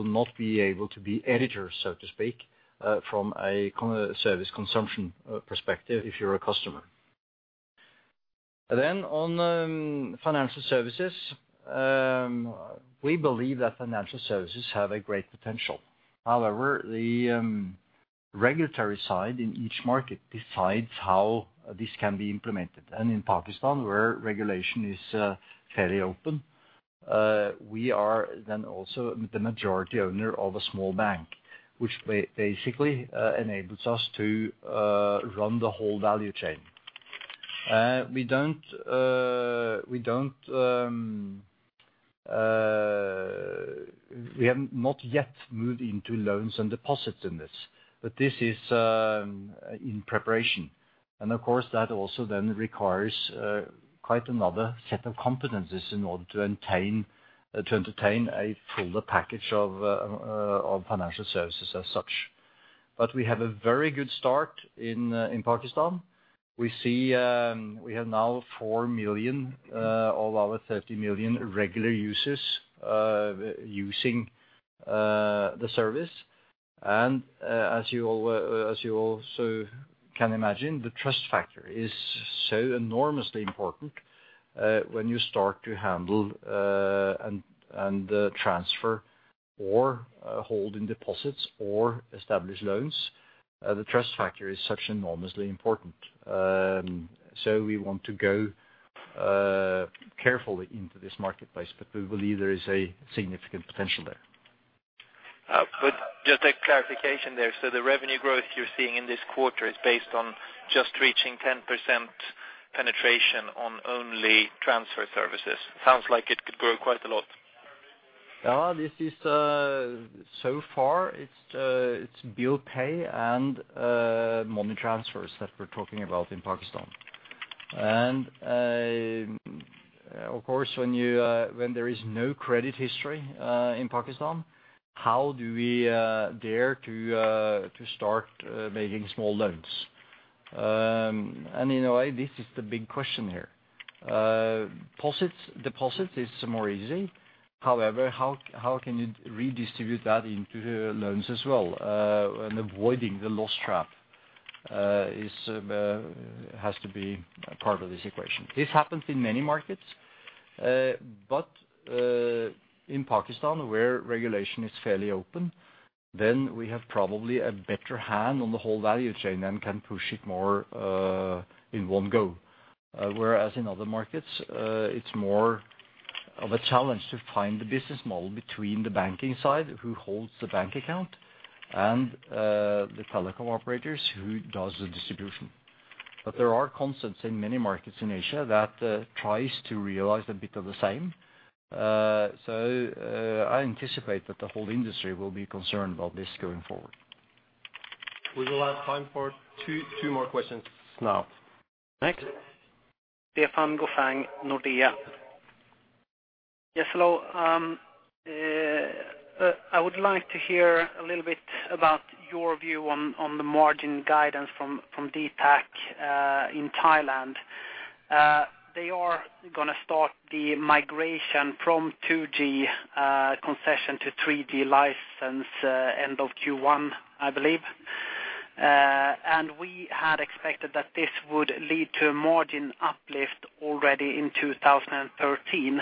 not be able to be editors, so to speak, from a core service consumption perspective if you're a customer. Then on financial services, we believe that financial services have a great potential. However, the regulatory side in each market decides how this can be implemented. And in Pakistan, where regulation is fairly open, we are then also the majority owner of a small bank, which basically enables us to run the whole value chain. We don't, we don't... We have not yet moved into loans and deposits in this, but this is in preparation. And of course, that also then requires quite another set of competencies in order to entertain a fuller package of financial services as such. But we have a very good start in Pakistan. We see, we have now 4 million of our 30 million regular users using the service. And, as you all, as you also can imagine, the trust factor is so enormously important, when you start to handle, and, and, transfer or, holding deposits or establish loans, the trust factor is such enormously important. So we want to go, carefully into this marketplace, but we believe there is a significant potential there. Just a clarification there. So the revenue growth you're seeing in this quarter is based on just reaching 10% penetration on only transfer services? Sounds like it could grow quite a lot. This is so far, it's bill pay and money transfers that we're talking about in Pakistan. And of course, when there is no credit history in Pakistan, how do we dare to start making small loans? And in a way, this is the big question here. Deposits, deposits is more easy. However, how can you redistribute that into the loans as well, and avoiding the loss trap is has to be a part of this equation. This happens in many markets, but in Pakistan, where regulation is fairly open, then we have probably a better hand on the whole value chain and can push it more in one go. Whereas in other markets, it's more of a challenge to find the business model between the banking side, who holds the bank account, and the telecom operators, who does the distribution. But there are concepts in many markets in Asia that tries to realize a bit of the same. So, I anticipate that the whole industry will be concerned about this going forward. We will have time for 2, 2 more questions now. Next. Stefan Gauffin, Nordea. Yes, hello. I would like to hear a little bit about your view on the margin guidance from dtac in Thailand. They are gonna start the migration from 2G concession to 3G license end of Q1, I believe. And we had expected that this would lead to a margin uplift already in 2013.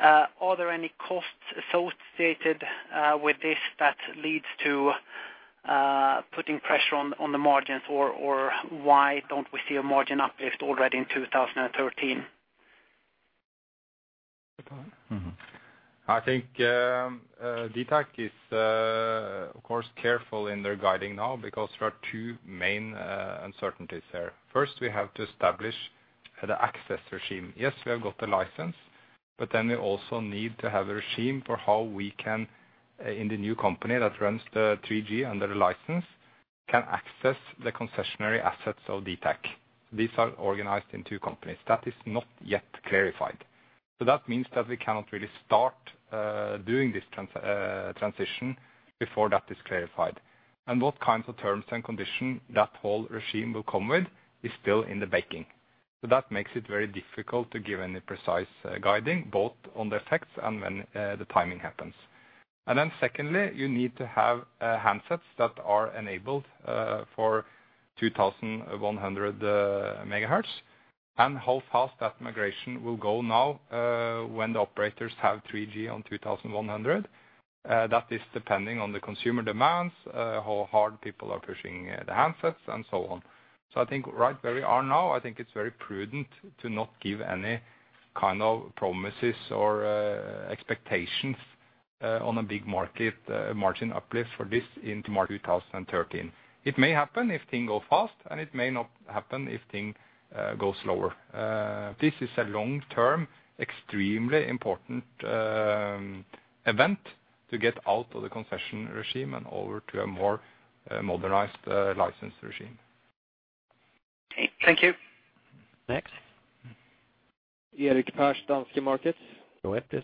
Are there any costs associated with this that leads to putting pressure on the margins? Or why don't we see a margin uplift already in 2013? I think, dtac is, of course, careful in their guiding now because there are two main uncertainties there. First, we have to establish the access regime. Yes, we have got the license, but then we also need to have a regime for how we can, in the new company that runs the 3G under the license, can access the concessionary assets of dtac. These are organized in two companies. That is not yet clarified. So that means that we cannot really start doing this transition before that is clarified. And what kinds of terms and conditions that whole regime will come with is still in the making. So that makes it very difficult to give any precise guiding, both on the effects and when the timing happens. Then secondly, you need to have handsets that are enabled for 2100 MHz. And how fast that migration will go now, when the operators have 3G on 2100, that is depending on the consumer demands, how hard people are pushing the handsets and so on. So I think right where we are now, I think it's very prudent to not give any kind of promises or expectations on a big market margin uplift for this into market 2013. It may happen if things go fast, and it may not happen if things go slower. This is a long-term, extremely important event to get out of the concession regime and over to a more modernized license regime. Thank you. Next. Erik Persson, Danske Markets. Go ahead, please.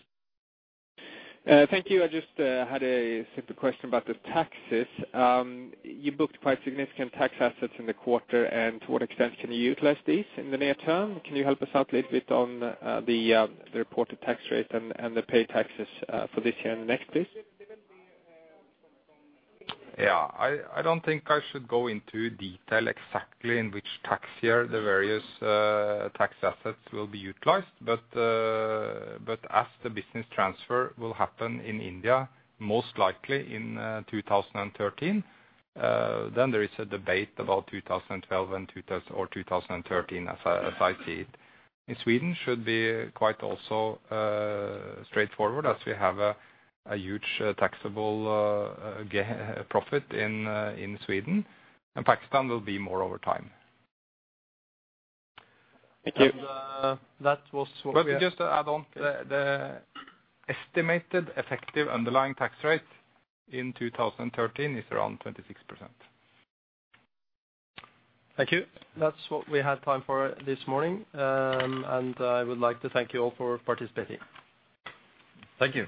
Thank you. I just had a simple question about the taxes. You booked quite significant tax assets in the quarter, and to what extent can you utilize these in the near term? Can you help us out a little bit on the reported tax rate and the paid taxes for this year and the next, please? Yeah. I don't think I should go into detail exactly in which tax year the various tax assets will be utilized, but, but as the business transfer will happen in India, most likely in 2013, then there is a debate about 2012 and 2013, as I see it. In Sweden, should be quite also straightforward, as we have a huge taxable profit in Sweden, and Pakistan will be more over time. Thank you. That was what we- Just to add on, the estimated effective underlying tax rate in 2013 is around 26%. Thank you. That's what we had time for this morning. And I would like to thank you all for participating. Thank you.